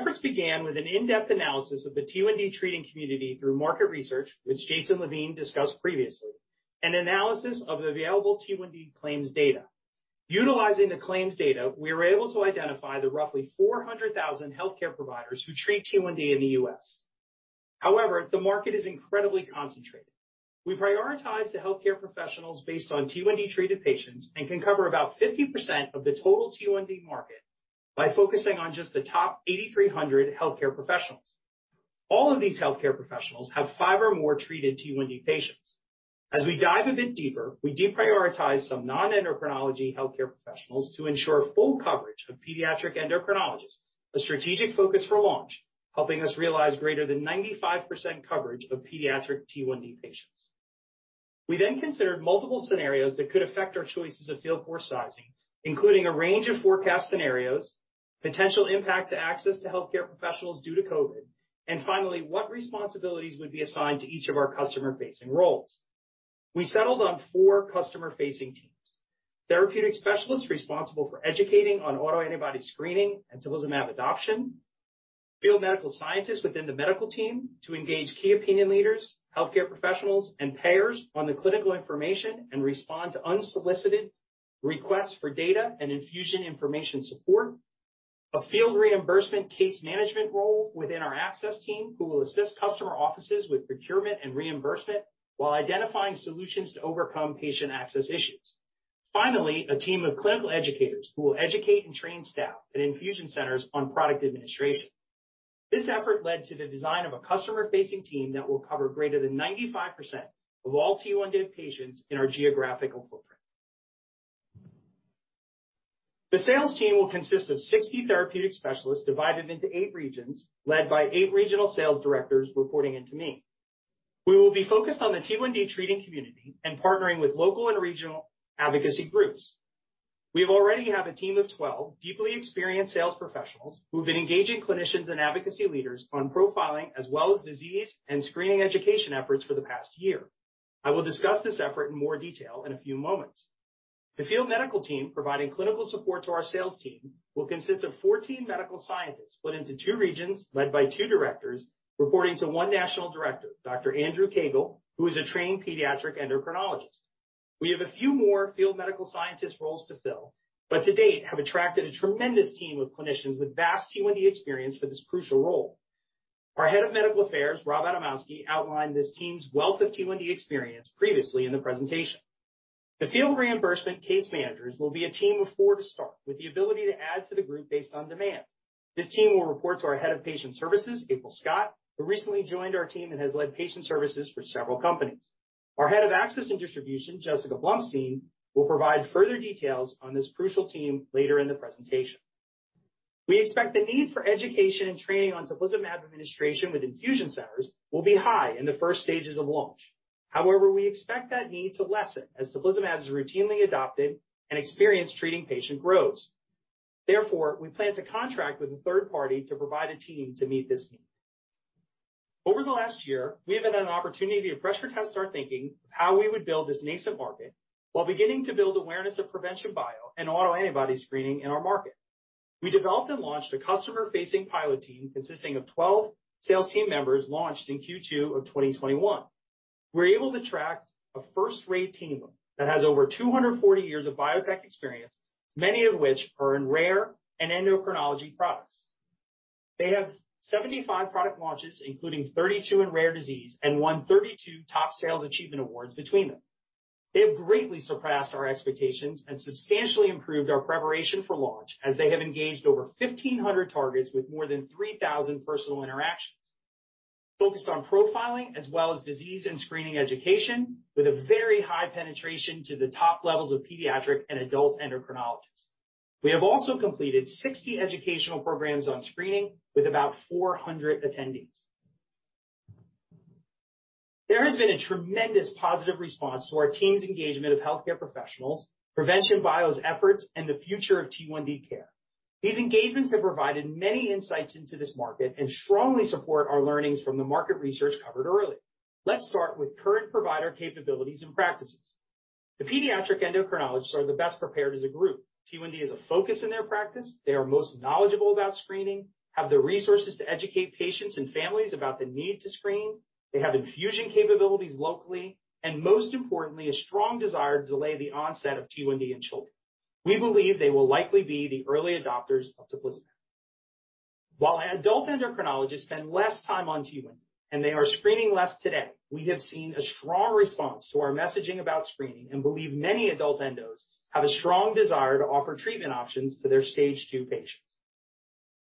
Efforts began with an in-depth analysis of the T1D treating community through market research, which Jason Hoitt discussed previously, and analysis of the available T1D claims data. Utilizing the claims data, we were able to identify the roughly 400,000 healthcare providers who treat T1D in the U.S. However, the market is incredibly concentrated. We prioritize the healthcare professionals based on T1D treated patients and can cover about 50% of the total T1D market by focusing on just the top 8,300 healthcare professionals. All of these healthcare professionals have 5 or more treated T1D patients. As we dive a bit deeper, we deprioritize some non-endocrinology healthcare professionals to ensure full coverage of pediatric endocrinologists. A strategic focus for launch, helping us realize greater than 95% coverage of pediatric T1D patients. We then considered multiple scenarios that could affect our choices of field force sizing, including a range of forecast scenarios, potential impact to access to healthcare professionals due to COVID, and finally, what responsibilities would be assigned to each of our customer-facing roles. We settled on four customer-facing teams. Therapeutic specialists responsible for educating on autoantibody screening and teplizumab adoption. Field medical scientists within the medical team to engage key opinion leaders, healthcare professionals and payers on the clinical information and respond to unsolicited requests for data and infusion information support. A field reimbursement case management role within our access team, who will assist customer offices with procurement and reimbursement while identifying solutions to overcome patient access issues. Finally, a team of clinical educators who will educate and train staff at infusion centers on product administration. This effort led to the design of a customer-facing team that will cover greater than 95% of all T1D patients in our geographical footprint. The sales team will consist of 60 therapeutic specialists divided into eight regions, led by eight regional sales directors reporting into me. We will be focused on the T1D treating community and partnering with local and regional advocacy groups. We have already have a team of 12 deeply experienced sales professionals who have been engaging clinicians and advocacy leaders on profiling as well as disease and screening education efforts for the past year. I will discuss this effort in more detail in a few moments. The field medical team providing clinical support to our sales team will consist of 14 medical scientists split into two regions, led by two directors, reporting to one national director, Dr. Andrew Drechsler, who is a trained pediatric endocrinologist. We have a few more field medical scientists roles to fill, but to date have attracted a tremendous team of clinicians with vast T1D experience for this crucial role. Our Head of Medical Affairs, Rob Adamoski, outlined this team's wealth of T1D experience previously in the presentation. The field reimbursement case managers will be a team of four to start, with the ability to add to the group based on demand. This team will report to our Head of Patient Services, April Scott, who recently joined our team and has led patient services for several companies. Our Head of Access and Distribution, Jessica Blumstein, will provide further details on this crucial team later in the presentation. We expect the need for education and training on teplizumab administration with infusion centers will be high in the first stages of launch. However, we expect that need to lessen as teplizumab is routinely adopted and experience treating patient grows. Therefore, we plan to contract with a third party to provide a team to meet this need. Over the last year, we have had an opportunity to pressure test our thinking of how we would build this nascent market while beginning to build awareness of Provention Bio and autoantibody screening in our market. We developed and launched a customer-facing pilot team consisting of 12 sales team members launched in Q2 of 2021. We were able to attract a first-rate team that has over 240 years of biotech experience, many of which are in rare and endocrinology products. They have 75 product launches, including 32 in rare disease, and won 32 top sales achievement awards between them. They have greatly surpassed our expectations and substantially improved our preparation for launch as they have engaged over 1,500 targets with more than 3,000 personal interactions. Focused on profiling as well as disease and screening education with a very high penetration to the top levels of pediatric and adult endocrinologists. We have also completed 60 educational programs on screening with about 400 attendees. There has been a tremendous positive response to our team's engagement of healthcare professionals, Provention Bio's efforts, and the future of T1D care. These engagements have provided many insights into this market and strongly support our learnings from the market research covered earlier. Let's start with current provider capabilities and practices. The pediatric endocrinologists are the best prepared as a group. T1D is a focus in their practice. They are most knowledgeable about screening, have the resources to educate patients and families about the need to screen. They have infusion capabilities locally, and most importantly, a strong desire to delay the onset of T1D in children. We believe they will likely be the early adopters of teplizumab. While adult endocrinologists spend less time on T1 and they are screening less today, we have seen a strong response to our messaging about screening and believe many adult endos have a strong desire to offer treatment options to their stage two patients.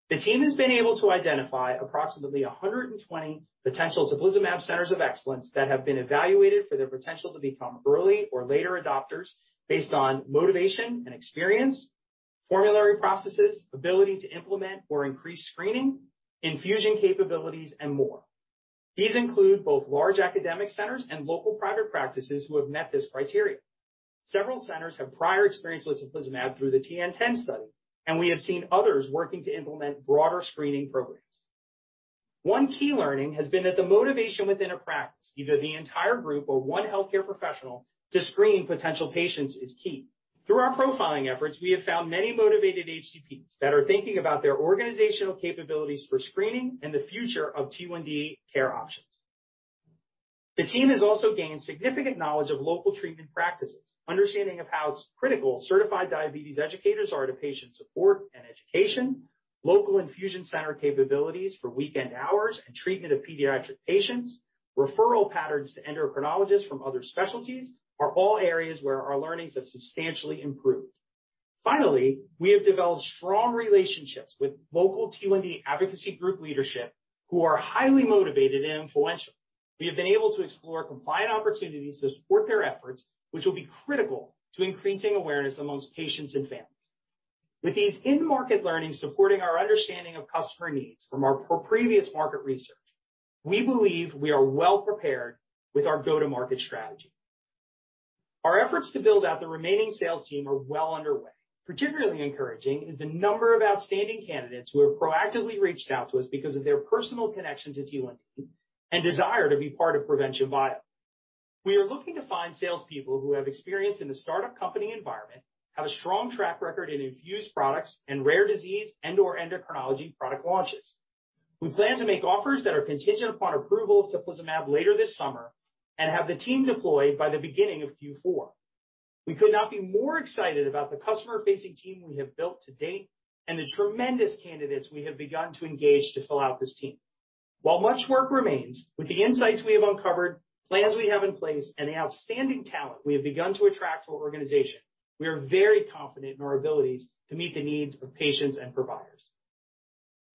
The team has been able to identify approximately 120 potential teplizumab centers of excellence that have been evaluated for their potential to become early or later adopters based on motivation and experience, formulary processes, ability to implement or increase screening, infusion capabilities, and more. These include both large academic centers and local private practices who have met these criteria. Several centers have prior experience with teplizumab through the TN-10 study, and we have seen others working to implement broader screening programs. One key learning has been that the motivation within a practice, either the entire group or one healthcare professional to screen potential patients is key. Through our profiling efforts, we have found many motivated HCPs that are thinking about their organizational capabilities for screening and the future of T1D care options. The team has also gained significant knowledge of local treatment practices, understanding of how critical certified diabetes educators are to patient support and education, local infusion center capabilities for weekend hours and treatment of pediatric patients, referral patterns to endocrinologists from other specialties are all areas where our learnings have substantially improved. Finally, we have developed strong relationships with local T1D advocacy group leadership who are highly motivated and influential. We have been able to explore compliant opportunities to support their efforts, which will be critical to increasing awareness among patients and families. With these in-market learnings supporting our understanding of customer needs from our previous market research, we believe we are well prepared with our go-to-market strategy. Our efforts to build out the remaining sales team are well underway. Particularly encouraging is the number of outstanding candidates who have proactively reached out to us because of their personal connection to T1D and desire to be part of Provention Bio. We are looking to find salespeople who have experience in the startup company environment, have a strong track record in infused products and rare disease and/or endocrinology product launches. We plan to make offers that are contingent upon approval of teplizumab later this summer and have the team deployed by the beginning of Q4. We could not be more excited about the customer-facing team we have built to date and the tremendous candidates we have begun to engage to fill out this team. While much work remains, with the insights we have uncovered, plans we have in place, and the outstanding talent we have begun to attract to our organization, we are very confident in our abilities to meet the needs of patients and providers.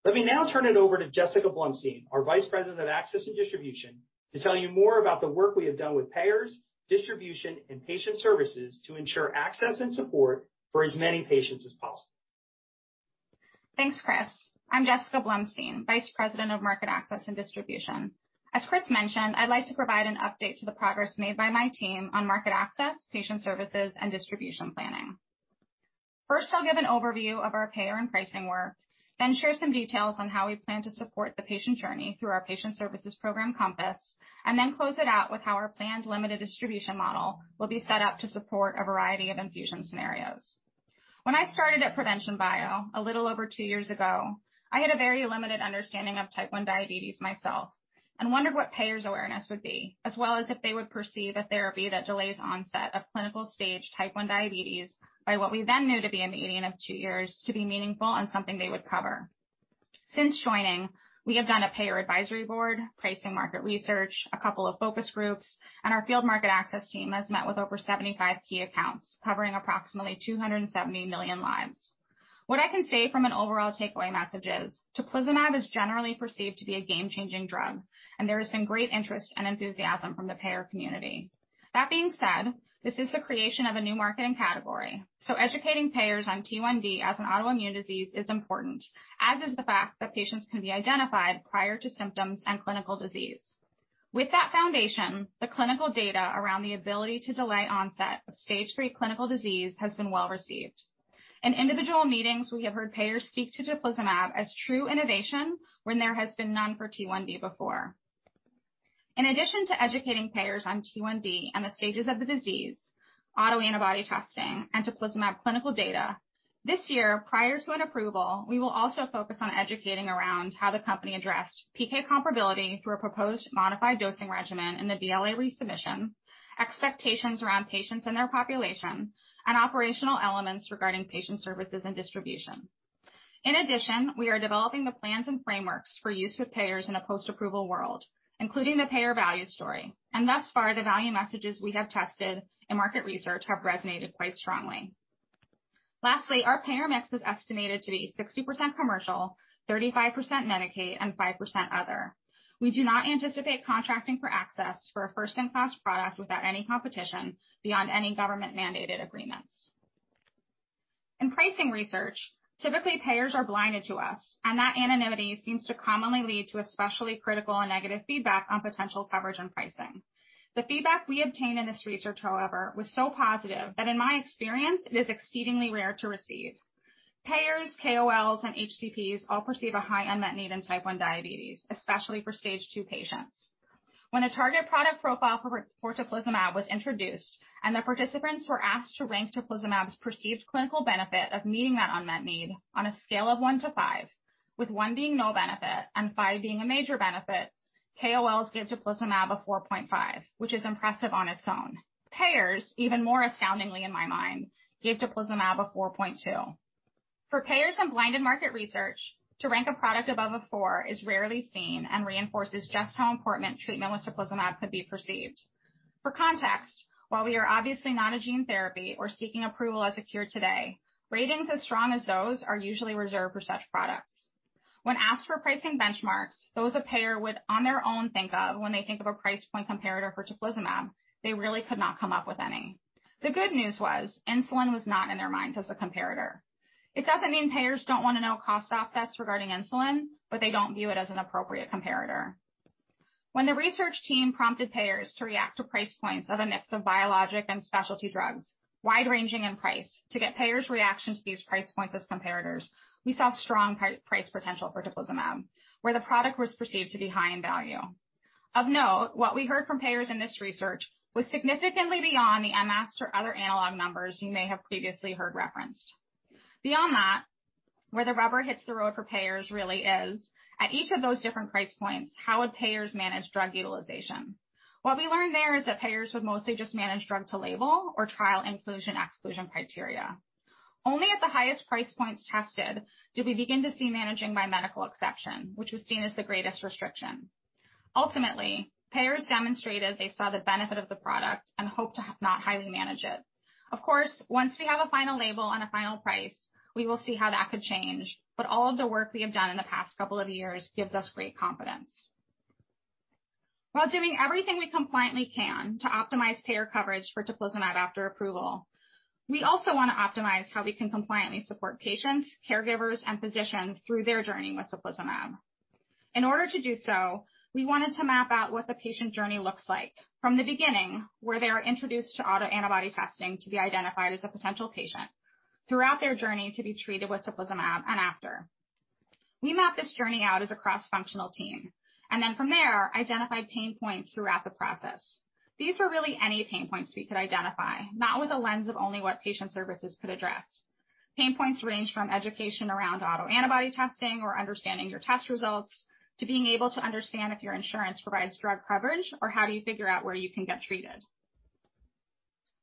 Let me now turn it over to Jessica Blumstein, our Vice President of Access and Distribution, to tell you more about the work we have done with payers, distribution, and patient services to ensure access and support for as many patients as possible.
Thanks, Chris. I'm Jessica Blumstein, Vice President of Market Access and Distribution. As Chris mentioned, I'd like to provide an update to the progress made by my team on market access, patient services, and distribution planning. First, I'll give an overview of our payer and pricing work, then share some details on how we plan to support the patient journey through our patient services program, COMPASS, and then close it out with how our planned limited distribution model will be set up to support a variety of infusion scenarios. When I started at Provention Bio a little over two years ago, I had a very limited understanding of type 1 diabetes myself and wondered what payers' awareness would be, as well as if they would perceive a therapy that delays onset of clinical stage type 1 diabetes by what we then knew to be a median of two years to be meaningful and something they would cover. Since joining, we have done a payer advisory board, pricing market research, a couple of focus groups, and our field market access team has met with over 75 key accounts covering approximately 270 million lives. What I can say from an overall takeaway message is, teplizumab is generally perceived to be a game-changing drug, and there has been great interest and enthusiasm from the payer community. That being said, this is the creation of a new marketing category, so educating payers on T1D as an autoimmune disease is important, as is the fact that patients can be identified prior to symptoms and clinical disease. With that foundation, the clinical data around the ability to delay onset of stage three clinical disease has been well received. In individual meetings, we have heard payers speak to teplizumab as true innovation when there has been none for T1D before. In addition to educating payers on T1D and the stages of the disease, autoantibody testing, and teplizumab clinical data, this year, prior to an approval, we will also focus on educating around how the company addressed PK comparability through a proposed modified dosing regimen in the BLA resubmission, expectations around patients in their population, and operational elements regarding patient services and distribution. In addition, we are developing the plans and frameworks for use with payers in a post-approval world, including the payer value story, and thus far the value messages we have tested in market research have resonated quite strongly. Lastly, our payer mix is estimated to be 60% commercial, 35% Medicaid, and 5% other. We do not anticipate contracting for access for a first-in-class product without any competition beyond any government-mandated agreements. In pricing research, typically, payers are blinded to us, and that anonymity seems to commonly lead to especially critical and negative feedback on potential coverage and pricing. The feedback we obtained in this research, however, was so positive that in my experience, it is exceedingly rare to receive. Payers, KOLs, and HCPs all perceive a high unmet need in type 1 diabetes, especially for stage 2 patients. When a target product profile for teplizumab was introduced and the participants were asked to rank teplizumab's perceived clinical benefit of meeting that unmet need on a scale of one to five, with one being no benefit and five being a major benefit, KOLs gave teplizumab a 4.5, which is impressive on its own. Payers, even more astoundingly in my mind, gave teplizumab a 4.2. For payers in blinded market research to rank a product above a four is rarely seen and reinforces just how important treatment with teplizumab could be perceived. For context, while we are obviously not a gene therapy or seeking approval as a cure today, ratings as strong as those are usually reserved for such products. When asked for pricing benchmarks, those a payer would on their own think of when they think of a price point comparator for teplizumab, they really could not come up with any. The good news was insulin was not in their minds as a comparator. It doesn't mean payers don't wanna know cost offsets regarding insulin, but they don't view it as an appropriate comparator. When the research team prompted payers to react to price points of a mix of biologic and specialty drugs, wide-ranging in price to get payers' reactions to these price points as comparators, we saw strong price potential for teplizumab, where the product was perceived to be high in value. Of note, what we heard from payers in this research was significantly beyond the MS or other analog numbers you may have previously heard referenced. Beyond that, where the rubber hits the road for payers really is at each of those different price points, how would payers manage drug utilization? What we learned there is that payers would mostly just manage drug to label or trial inclusion/exclusion criteria. Only at the highest price points tested did we begin to see managing by medical exception, which was seen as the greatest restriction. Ultimately, payers demonstrated they saw the benefit of the product and hope to not highly manage it. Of course, once we have a final label and a final price, we will see how that could change, but all of the work we have done in the past couple of years gives us great confidence. While doing everything we compliantly can to optimize payer coverage for teplizumab after approval, we also wanna optimize how we can compliantly support patients, caregivers, and physicians through their journey with teplizumab. In order to do so, we wanted to map out what the patient journey looks like from the beginning, where they are introduced to autoantibody testing to be identified as a potential patient throughout their journey to be treated with teplizumab and after. We mapped this journey out as a cross-functional team, and then from there, identified pain points throughout the process. These were really any pain points we could identify, not with a lens of only what patient services could address. Pain points range from education around autoantibody testing or understanding your test results, to being able to understand if your insurance provides drug coverage, or how do you figure out where you can get treated?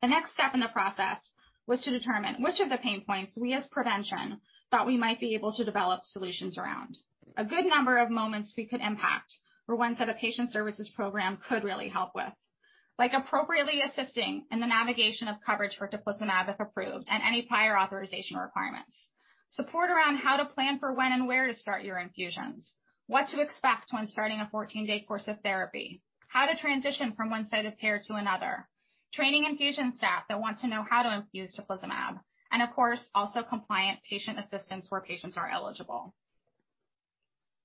The next step in the process was to determine which of the pain points we, as Provention, thought we might be able to develop solutions around. A good number of moments we could impact were ones that a patient services program could really help with, like appropriately assisting in the navigation of coverage for teplizumab if approved, and any prior authorization requirements. Support around how to plan for when and where to start your infusions, what to expect when starting a 14-day course of therapy, how to transition from one site of care to another. Training infusion staff that want to know how to infuse teplizumab and of course, also compliant patient assistance where patients are eligible.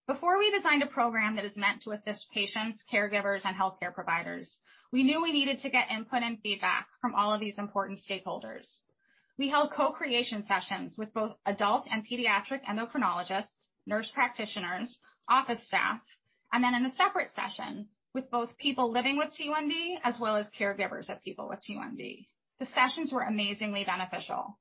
Before we designed a program that is meant to assist patients, caregivers, and healthcare providers, we knew we needed to get input and feedback from all of these important stakeholders. We held co-creation sessions with both adult and pediatric endocrinologists, nurse practitioners, office staff, and then in a separate session with both people living with T1D, as well as caregivers of people with T1D. The sessions were amazingly beneficial.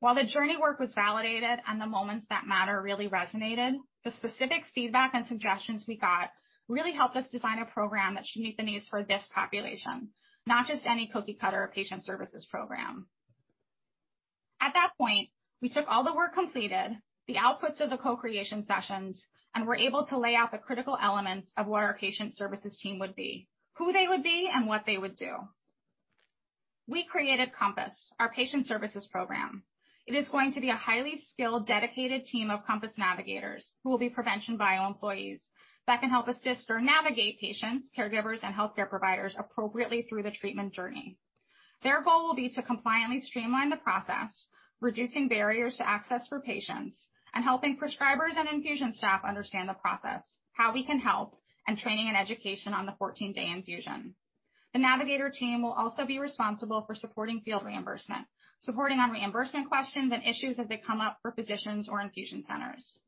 While the journey work was validated and the moments that matter really resonated, the specific feedback and suggestions we got really helped us design a program that should meet the needs for this population, not just any cookie-cutter patient services program. At that point, we took all the work completed, the outputs of the co-creation sessions, and were able to lay out the critical elements of what our patient services team would be, who they would be, and what they would do. We created Compass, our patient services program. It is going to be a highly skilled, dedicated team of COMPASS navigators who will be Provention Bio employees that can help assist or navigate patients, caregivers, and healthcare providers appropriately through the treatment journey. Their goal will be to compliantly streamline the process, reducing barriers to access for patients and helping prescribers and infusion staff understand the process, how we can help, and training and education on the 14-day infusion. The navigator team will also be responsible for supporting field reimbursement, supporting on reimbursement questions and issues as they come up for physicians or infusion centers.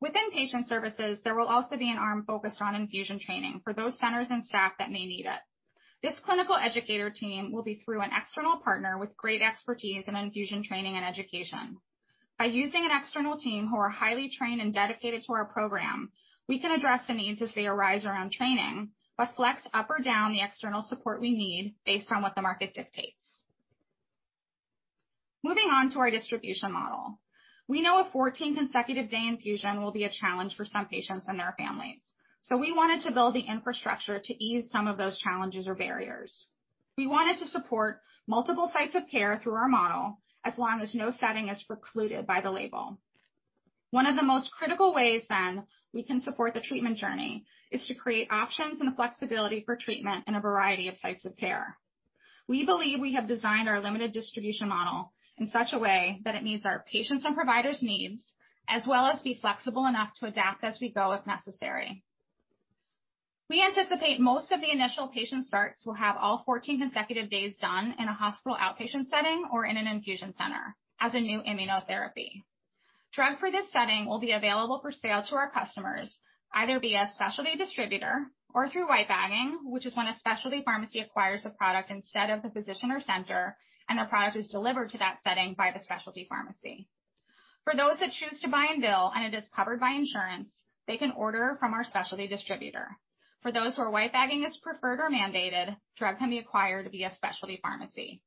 Within patient services, there will also be an arm focused on infusion training for those centers and staff that may need it. This clinical educator team will be through an external partner with great expertise in infusion training and education. By using an external team who are highly trained and dedicated to our program, we can address the needs as they arise around training, but flex up or down the external support we need based on what the market dictates. Moving on to our distribution model. We know a 14 consecutive day infusion will be a challenge for some patients and their families, so we wanted to build the infrastructure to ease some of those challenges or barriers. We wanted to support multiple sites of care through our model as long as no setting is precluded by the label. One of the most critical ways then we can support the treatment journey is to create options and flexibility for treatment in a variety of sites of care. We believe we have designed our limited distribution model in such a way that it meets our patients and providers' needs, as well as be flexible enough to adapt as we go if necessary. We anticipate most of the initial patient starts will have all 14 consecutive days done in a hospital outpatient setting or in an infusion center as a new immunotherapy. Drug for this setting will be available for sale to our customers, either via a specialty distributor or through white bagging, which is when a specialty pharmacy acquires a product instead of the physician or center, and the product is delivered to that setting by the specialty pharmacy. For those that choose to buy and bill and it is covered by insurance, they can order from our specialty distributor. For those where white bagging is preferred or mandated, drug can be acquired via specialty pharmacy.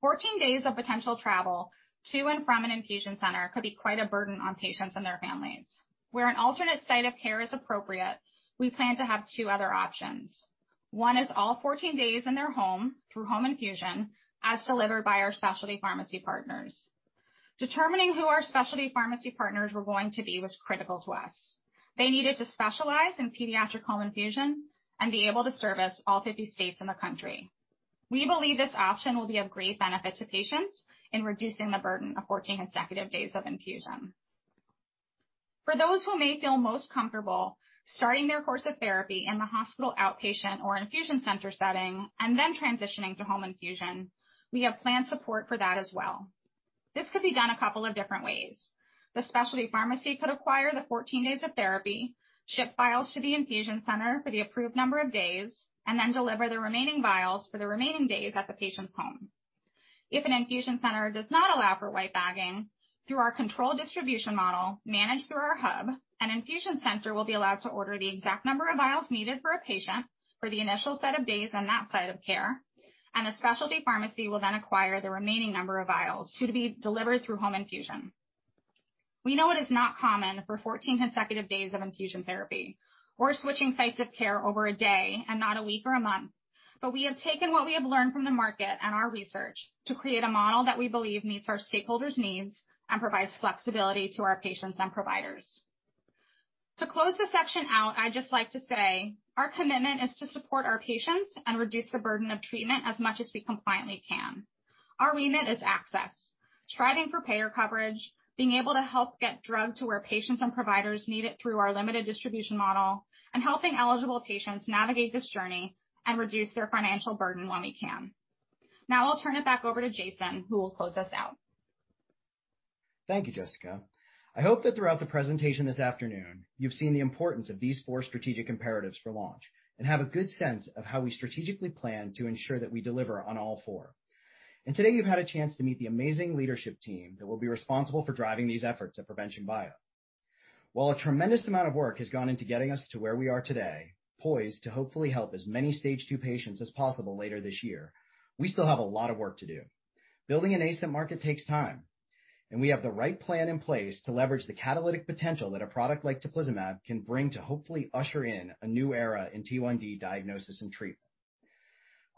14 days of potential travel to and from an infusion center could be quite a burden on patients and their families. Where an alternate site of care is appropriate, we plan to have two other options. One is all 14 days in their home through home infusion as delivered by our specialty pharmacy partners. Determining who our specialty pharmacy partners were going to be was critical to us. They needed to specialize in pediatric home infusion and be able to service all 50 states in the country. We believe this option will be of great benefit to patients in reducing the burden of 14 consecutive days of infusion. For those who may feel most comfortable starting their course of therapy in the hospital, outpatient, or infusion center setting and then transitioning to home infusion, we have planned support for that as well. This could be done a couple of different ways. The specialty pharmacy could acquire the 14 days of therapy, ship vials to the infusion center for the approved number of days, and then deliver the remaining vials for the remaining days at the patient's home. If an infusion center does not allow for white bagging, through our controlled distribution model managed through our hub, an infusion center will be allowed to order the exact number of vials needed for a patient for the initial set of days on that side of care, and a specialty pharmacy will then acquire the remaining number of vials to be delivered through home infusion. We know it is not common for 14 consecutive days of infusion therapy or switching sites of care over a day and not a week or a month, but we have taken what we have learned from the market and our research to create a model that we believe meets our stakeholders' needs and provides flexibility to our patients and providers.
To close this section out, I'd just like to say, our commitment is to support our patients and reduce the burden of treatment as much as we compliantly can. Our remit is access. Striving for payer coverage, being able to help get drug to where patients and providers need it through our limited distribution model, and helping eligible patients navigate this journey and reduce their financial burden when we can. Now I'll turn it back over to Jason, who will close us out.
Thank you, Jessica. I hope that throughout the presentation this afternoon, you've seen the importance of these four strategic imperatives for launch and have a good sense of how we strategically plan to ensure that we deliver on all four. Today, you've had a chance to meet the amazing leadership team that will be responsible for driving these efforts at Provention Bio. While a tremendous amount of work has gone into getting us to where we are today, poised to hopefully help as many stage two patients as possible later this year, we still have a lot of work to do. Building a nascent market takes time, and we have the right plan in place to leverage the catalytic potential that a product like teplizumab can bring to hopefully usher in a new era in T1D diagnosis and treatment.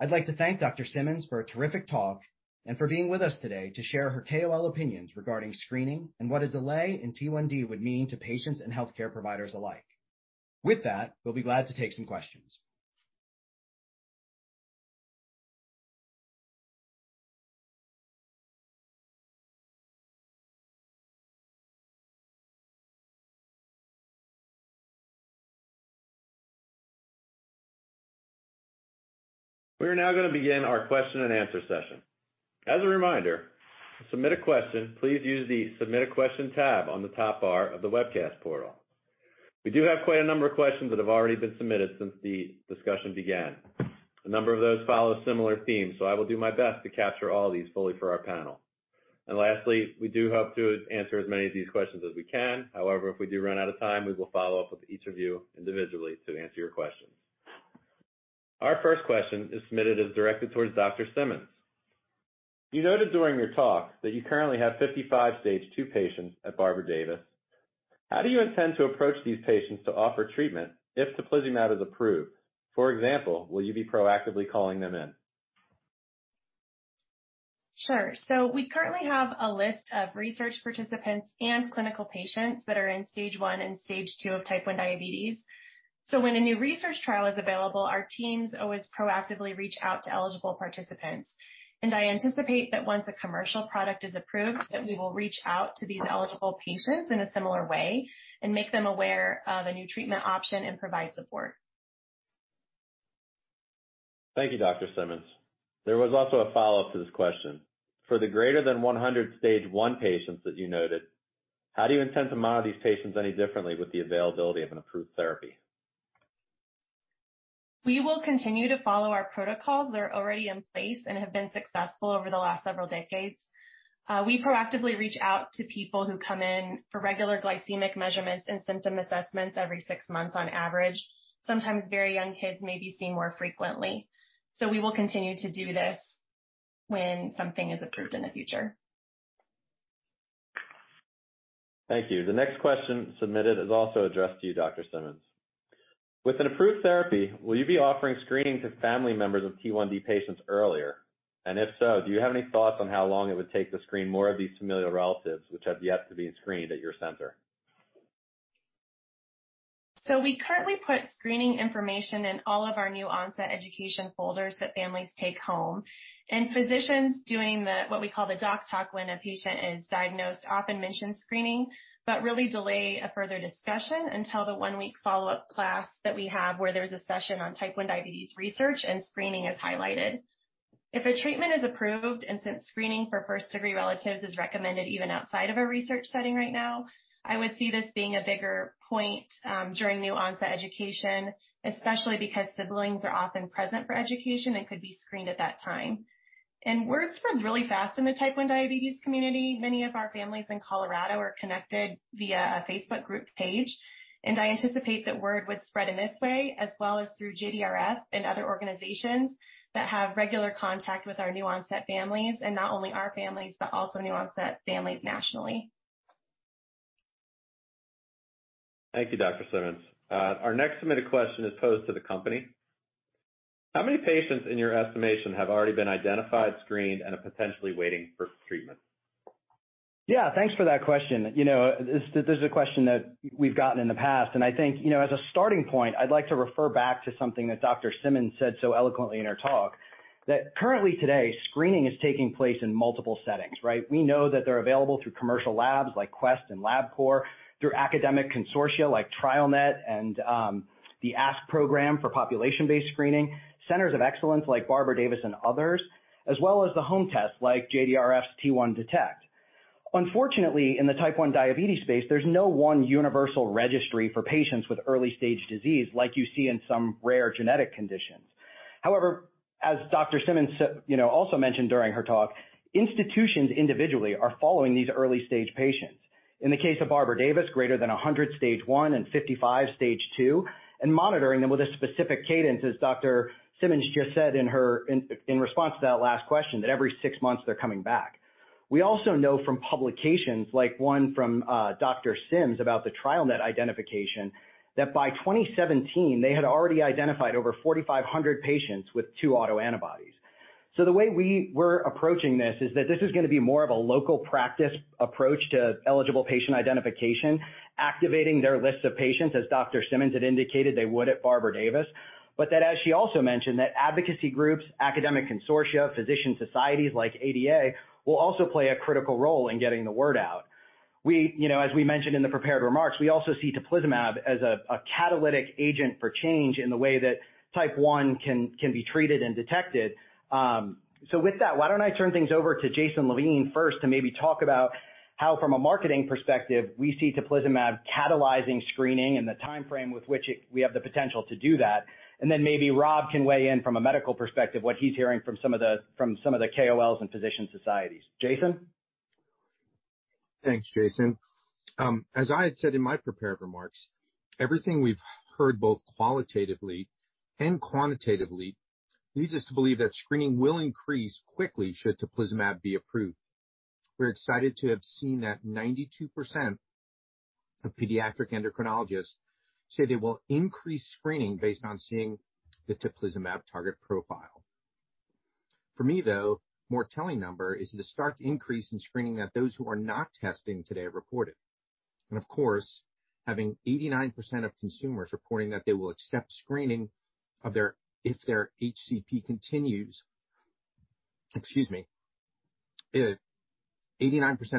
I'd like to thank Dr. Simmons for a terrific talk and for being with us today to share her KOL opinions regarding screening and what a delay in T1D would mean to patients and healthcare providers alike. With that, we'll be glad to take some questions.
We are now gonna begin our question and answer session. As a reminder, to submit a question, please use the Submit a Question tab on the top bar of the webcast portal. We do have quite a number of questions that have already been submitted since the discussion began. A number of those follow similar themes, so I will do my best to capture all these fully for our panel. Lastly, we do hope to answer as many of these questions as we can. However, if we do run out of time, we will follow up with each of you individually to answer your questions. Our first question is submitted as directed towards Dr. Kimber Simmons. You noted during your talk that you currently have 55 stage two patients at Barbara Davis. How do you intend to approach these patients to offer treatment if teplizumab is approved? For example, will you be proactively calling them in?
Sure. We currently have a list of research participants and clinical patients that are in stage 1 and stage 2 of type 1 diabetes. When a new research trial is available, our teams always proactively reach out to eligible participants. I anticipate that once a commercial product is approved, that we will reach out to these eligible patients in a similar way and make them aware of a new treatment option and provide support.
Thank you, Dr. Kimber Simmons. There was also a follow-up to this question. For the greater than 100 stage 1 patients that you noted, how do you intend to monitor these patients any differently with the availability of an approved therapy?
We will continue to follow our protocols that are already in place and have been successful over the last several decades. We proactively reach out to people who come in for regular glycemic measurements and symptom assessments every six months on average. Sometimes very young kids may be seen more frequently, so we will continue to do this when something is approved in the future.
Thank you. The next question submitted is also addressed to you, Dr. Simmons. With an approved therapy, will you be offering screening to family members of T1D patients earlier? And if so, do you have any thoughts on how long it would take to screen more of these familial relatives which have yet to be screened at your center?
We currently put screening information in all of our new onset education folders that families take home. Physicians doing what we call the doc talk when a patient is diagnosed often mention screening, but really delay a further discussion until the one-week follow-up class that we have where there's a session on type 1 diabetes research and screening is highlighted. If a treatment is approved, and since screening for first-degree relatives is recommended even outside of a research setting right now, I would see this being a bigger point during new onset education, especially because siblings are often present for education and could be screened at that time. Word spreads really fast in the type 1 diabetes community. Many of our families in Colorado are connected via a Facebook group page, and I anticipate that word would spread in this way, as well as through JDRF and other organizations that have regular contact with our new onset families, and not only our families, but also new onset families nationally.
Thank you, Dr. Simmons. Our next submitted question is posed to the company. How many patients, in your estimation, have already been identified, screened, and are potentially waiting for treatment?
Yeah, thanks for that question. You know, this is a question that we've gotten in the past, and I think, you know, as a starting point, I'd like to refer back to something that Dr. Simmons said so eloquently in her talk, that currently today, screening is taking place in multiple settings, right? We know that they're available through commercial labs like Quest and LabCorp, through academic consortia like TrialNet and the ASK program for population-based screening, centers of excellence like Barbara Davis and others, as well as the home tests like JDRF's T1Detect. Unfortunately, in the type 1 diabetes space, there's no one universal registry for patients with early-stage disease like you see in some rare genetic conditions. However, as Dr. Simmons you know, also mentioned during her talk, institutions individually are following these early-stage patients. In the case of Barbara Davis, greater than 100 stage one and 55 stage two, and monitoring them with a specific cadence, as Dr. Simmons just said in her response to that last question, that every six months they're coming back. We also know from publications like one from Dr. Simmons about the TrialNet identification, that by 2017 they had already identified over 4,500 patients with 2 autoantibodies. The way we're approaching this is that this is gonna be more of a local practice approach to eligible patient identification, activating their lists of patients as Dr. Simmons had indicated they would at Barbara Davis. That as she also mentioned, that advocacy groups, academic consortia, physician societies like ADA will also play a critical role in getting the word out. We, you know, as we mentioned in the prepared remarks, we also see teplizumab as a catalytic agent for change in the way that type 1 can be treated and detected. With that, why don't I turn things over to Jason Hoitt first to maybe talk about how from a marketing perspective, we see teplizumab catalyzing screening and the timeframe with which we have the potential to do that. Maybe Rob Adamoski can weigh in from a medical perspective, what he's hearing from some of the KOLs and physician societies. Jason?
Thanks, Jason. As I had said in my prepared remarks, everything we've heard both qualitatively and quantitatively leads us to believe that screening will increase quickly should teplizumab be approved. We're excited to have seen that 92% of pediatric endocrinologists say they will increase screening based on seeing the teplizumab target profile. For me, though, more telling number is the stark increase in screening that those who are not testing today reported. Of course, having 89%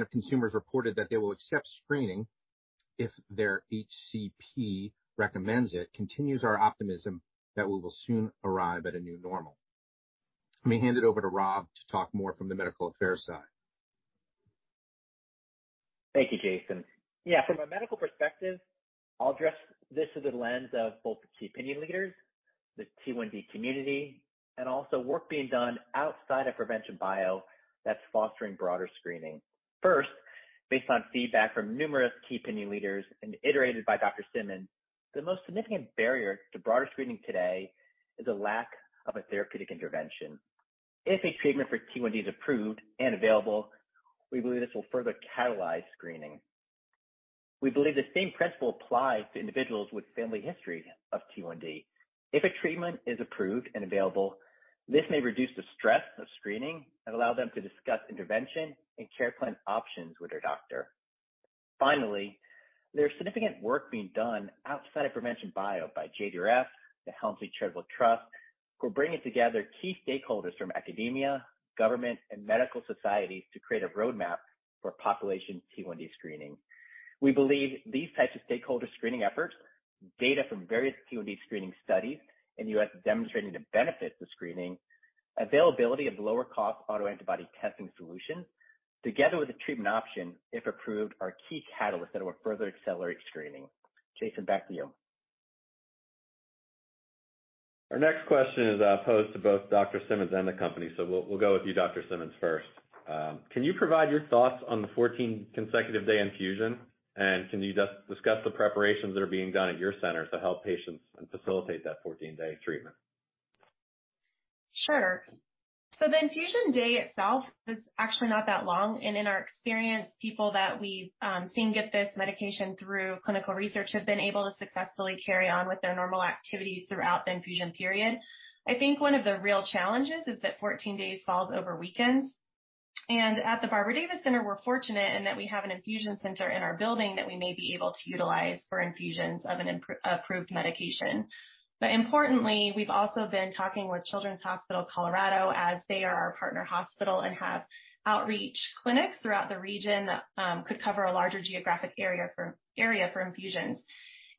of consumers reported that they will accept screening if their HCP recommends it, continues our optimism that we will soon arrive at a new normal. Let me hand it over to Rob to talk more from the medical affairs side.
Thank you, Jason. Yeah, from a medical perspective, I'll address this through the lens of both the key opinion leaders, the T1D community, and also work being done outside of Provention Bio that's fostering broader screening. First, based on feedback from numerous key opinion leaders and iterated by Dr. Simmons, the most significant barrier to broader screening today is a lack of a therapeutic intervention. If a treatment for T1D is approved and available, we believe this will further catalyze screening. We believe the same principle applies to individuals with family history of T1D. If a treatment is approved and available, this may reduce the stress of screening and allow them to discuss intervention and care plan options with their doctor. Finally, there's significant work being done outside of Provention Bio by JDRF, the Helmsley Charitable Trust, who are bringing together key stakeholders from academia, government, and medical societies to create a roadmap for population T1D screening. We believe these types of stakeholder screening efforts, data from various T1D screening studies in the U.S. demonstrating the benefits of screening, availability of lower cost autoantibody testing solutions together with a treatment option, if approved, are key catalysts that will further accelerate screening. Jason, back to you.
Our next question is posed to both Dr. Simmons and the company, so we'll go with you, Dr. Simmons, first. Can you provide your thoughts on the 14 consecutive day infusion? Can you just discuss the preparations that are being done at your center to help patients and facilitate that 14-day treatment?
Sure. The infusion day itself is actually not that long, and in our experience, people that we've seen get this medication through clinical research have been able to successfully carry on with their normal activities throughout the infusion period. I think one of the real challenges is that 14 days falls over weekends, and at the Barbara Davis Center, we're fortunate in that we have an infusion center in our building that we may be able to utilize for infusions of an approved medication. Importantly, we've also been talking with Children's Hospital Colorado as they are our partner hospital and have outreach clinics throughout the region that could cover a larger geographic area for infusions.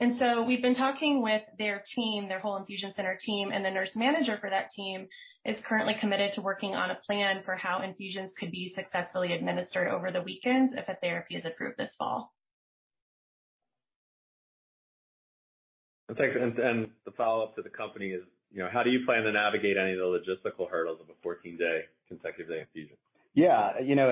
We've been talking with their team, their whole infusion center team, and the nurse manager for that team is currently committed to working on a plan for how infusions could be successfully administered over the weekends if a therapy is approved this fall.
Thanks. The follow-up to the company is, you know, how do you plan to navigate any of the logistical hurdles of a 14-day consecutive day infusion?
Yeah. You know,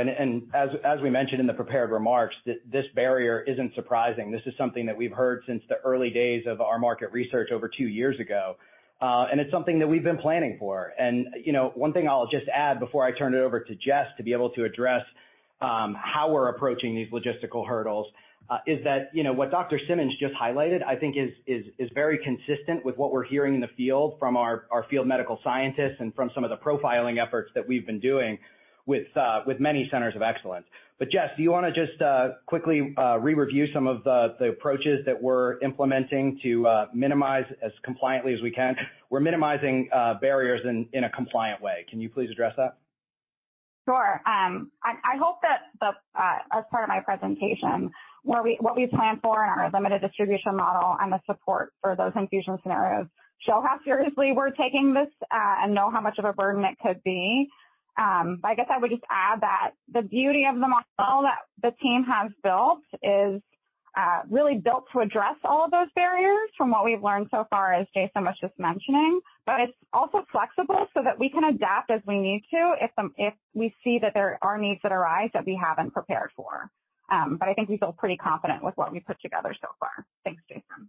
as we mentioned in the prepared remarks, this barrier isn't surprising. This is something that we've heard since the early days of our market research over two years ago. It's something that we've been planning for. You know, one thing I'll just add before I turn it over to Jess to be able to address.
How we're approaching these logistical hurdles is that, you know, what Dr. Simmons just highlighted, I think is very consistent with what we're hearing in the field from our field medical scientists and from some of the profiling efforts that we've been doing with many centers of excellence. Jess, do you want to just quickly re-review some of the approaches that we're implementing to minimize as compliantly as we can? We're minimizing barriers in a compliant way. Can you please address that?
Sure. I hope that as part of my presentation, what we plan for in our limited distribution model and the support for those infusion scenarios show how seriously we're taking this, and know how much of a burden it could be. I guess I would just add that the beauty of the model that the team has built is really built to address all of those barriers from what we've learned so far, as Jason was just mentioning, but it's also flexible so that we can adapt as we need to if we see that there are needs that arise that we haven't prepared for. I think we feel pretty confident with what we've put together so far. Thanks, Jason.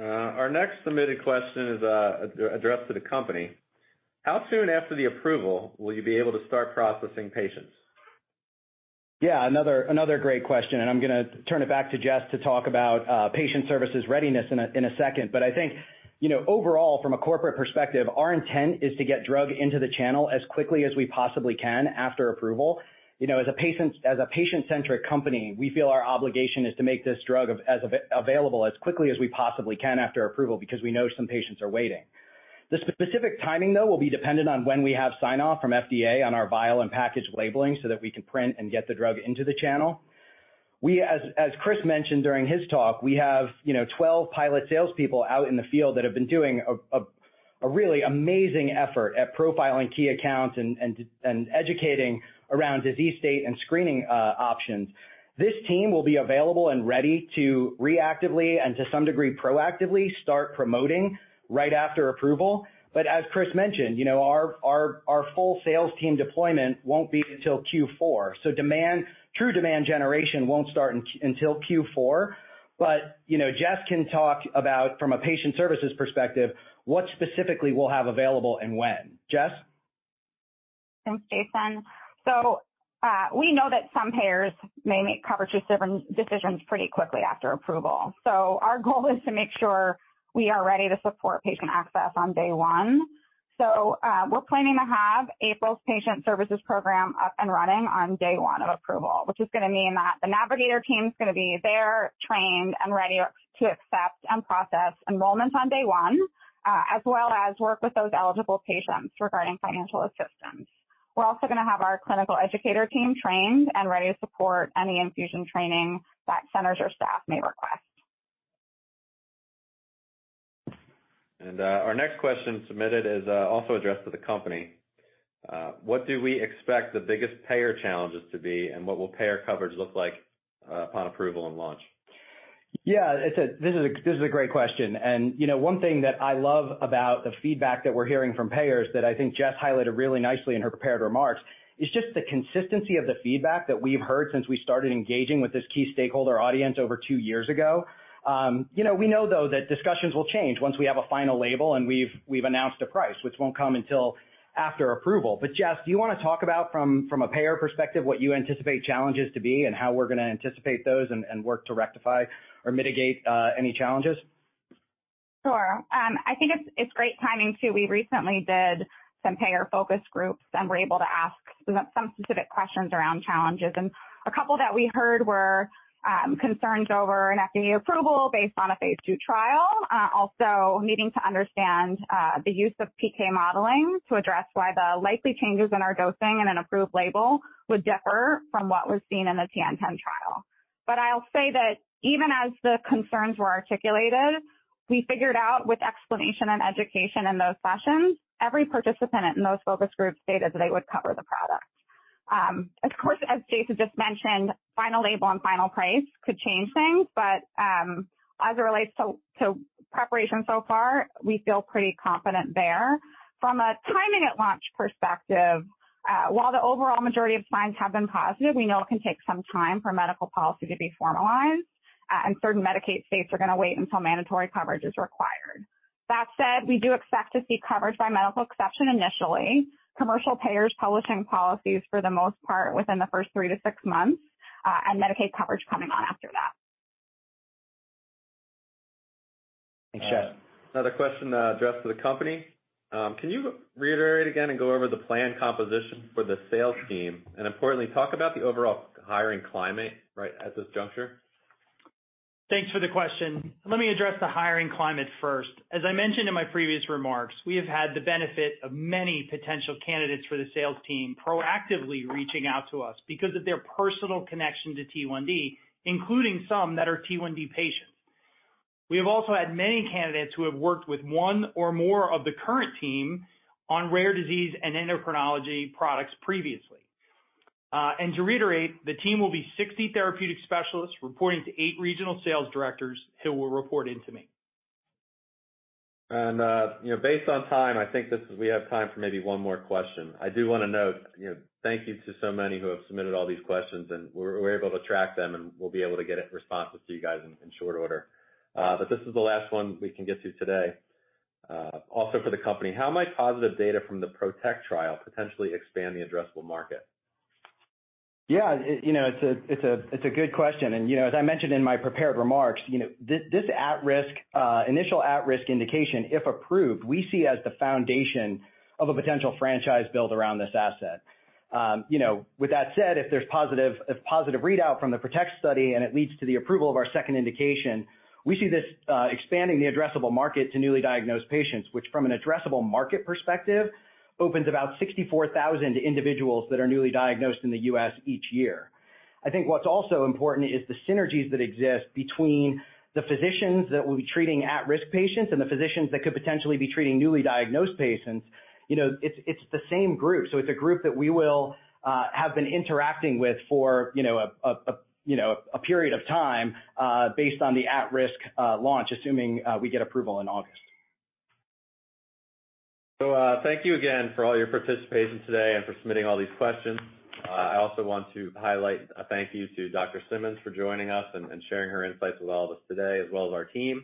Our next submitted question is addressed to the company. How soon after the approval will you be able to start processing patients?
Yeah, another great question, and I'm gonna turn it back to Jess to talk about patient services readiness in a second. I think, you know, overall, from a corporate perspective, our intent is to get drug into the channel as quickly as we possibly can after approval. You know, as a patient, as a patient-centric company, we feel our obligation is to make this drug available as quickly as we possibly can after approval because we know some patients are waiting. The specific timing, though, will be dependent on when we have sign-off from FDA on our vial and package labeling so that we can print and get the drug into the channel. As Chris mentioned during his talk, we have, you know, 12 pilot salespeople out in the field that have been doing a really amazing effort at profiling key accounts and educating around disease state and screening options. This team will be available and ready to reactively and to some degree proactively start promoting right after approval. As Chris mentioned, you know, our full sales team deployment won't be until Q4. Demand, true demand generation won't start until Q4. You know, Jess can talk about from a patient services perspective, what specifically we'll have available and when. Jess?
Thanks, Jason. We know that some payers may make coverage decisions pretty quickly after approval. Our goal is to make sure we are ready to support patient access on day one. We're planning to have April's patient services program up and running on day one of approval, which is gonna mean that the navigator team's gonna be there, trained, and ready to accept and process enrollments on day one, as well as work with those eligible patients regarding financial assistance. We're also gonna have our clinical educator team trained and ready to support any infusion training that centers or staff may request.
Our next question submitted is also addressed to the company. What do we expect the biggest payer challenges to be, and what will payer coverage look like upon approval and launch?
Yeah, this is a great question. You know, one thing that I love about the feedback that we're hearing from payers that I think Jessica highlighted really nicely in her prepared remarks is just the consistency of the feedback that we've heard since we started engaging with this key stakeholder audience over two years ago. You know, we know though that discussions will change once we have a final label and we've announced a price, which won't come until after approval. Jessica, do you wanna talk about from a payer perspective what you anticipate challenges to be and how we're gonna anticipate those and work to rectify or mitigate any challenges?
Sure. I think it's great timing too. We recently did some payer focus groups, and we're able to ask some specific questions around challenges. A couple that we heard were concerns over an FDA approval based on a phase 2 trial, also needing to understand the use of PK modeling to address why the likely changes in our dosing in an approved label would differ from what was seen in the TN-10 trial. I'll say that even as the concerns were articulated, we figured out with explanation and education in those sessions, every participant in those focus groups stated that they would cover the product. Of course, as Jason just mentioned, final label and final price could change things, but as it relates to preparation so far, we feel pretty confident there. From a timing at launch perspective, while the overall majority of signs have been positive, we know it can take some time for medical policy to be formalized, and certain Medicaid states are gonna wait until mandatory coverage is required. That said, we do expect to see coverage by medical exception initially, commercial payers publishing policies for the most part within the first 3-6 months, and Medicaid coverage coming on after that.
Thanks, Jessica.
Another question, addressed to the company. Can you reiterate again and go over the plan composition for the sales team? Importantly, talk about the overall hiring climate right at this juncture.
Thanks for the question. Let me address the hiring climate first. As I mentioned in my previous remarks, we have had the benefit of many potential candidates for the sales team proactively reaching out to us because of their personal connection to T1D, including some that are T1D patients. We have also had many candidates who have worked with one or more of the current team on rare disease and endocrinology products previously. To reiterate, the team will be 60 therapeutic specialists reporting to 8 regional sales directors who will report in to me.
You know, based on time, I think we have time for maybe one more question. I do wanna note, you know, thank you to so many who have submitted all these questions, and we're able to track them, and we'll be able to get responses to you guys in short order. But this is the last one we can get to today. Also for the company. How might positive data from the PROTECT trial potentially expand the addressable market?
Yeah, you know, it's a good question. You know, as I mentioned in my prepared remarks, you know, this at-risk initial at-risk indication, if approved, we see as the foundation of a potential franchise built around this asset. You know, with that said, if there's a positive readout from the PROTECT study and it leads to the approval of our second indication, we see this expanding the addressable market to newly diagnosed patients, which from an addressable market perspective, opens about 64,000 individuals that are newly diagnosed in the U.S. each year. I think what's also important is the synergies that exist between the physicians that will be treating at-risk patients and the physicians that could potentially be treating newly diagnosed patients. You know, it's the same group. It's a group that we will have been interacting with for, you know, a, you know, a period of time based on the at-risk launch, assuming we get approval in August.
Thank you again for all your participation today and for submitting all these questions. I also want to highlight a thank you to Dr. Simmons for joining us and sharing her insights with all of us today, as well as our team.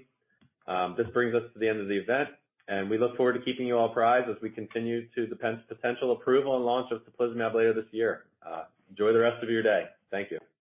This brings us to the end of the event, and we look forward to keeping you all apprised as we continue to the potential approval and launch of teplizumab later this year. Enjoy the rest of your day. Thank you.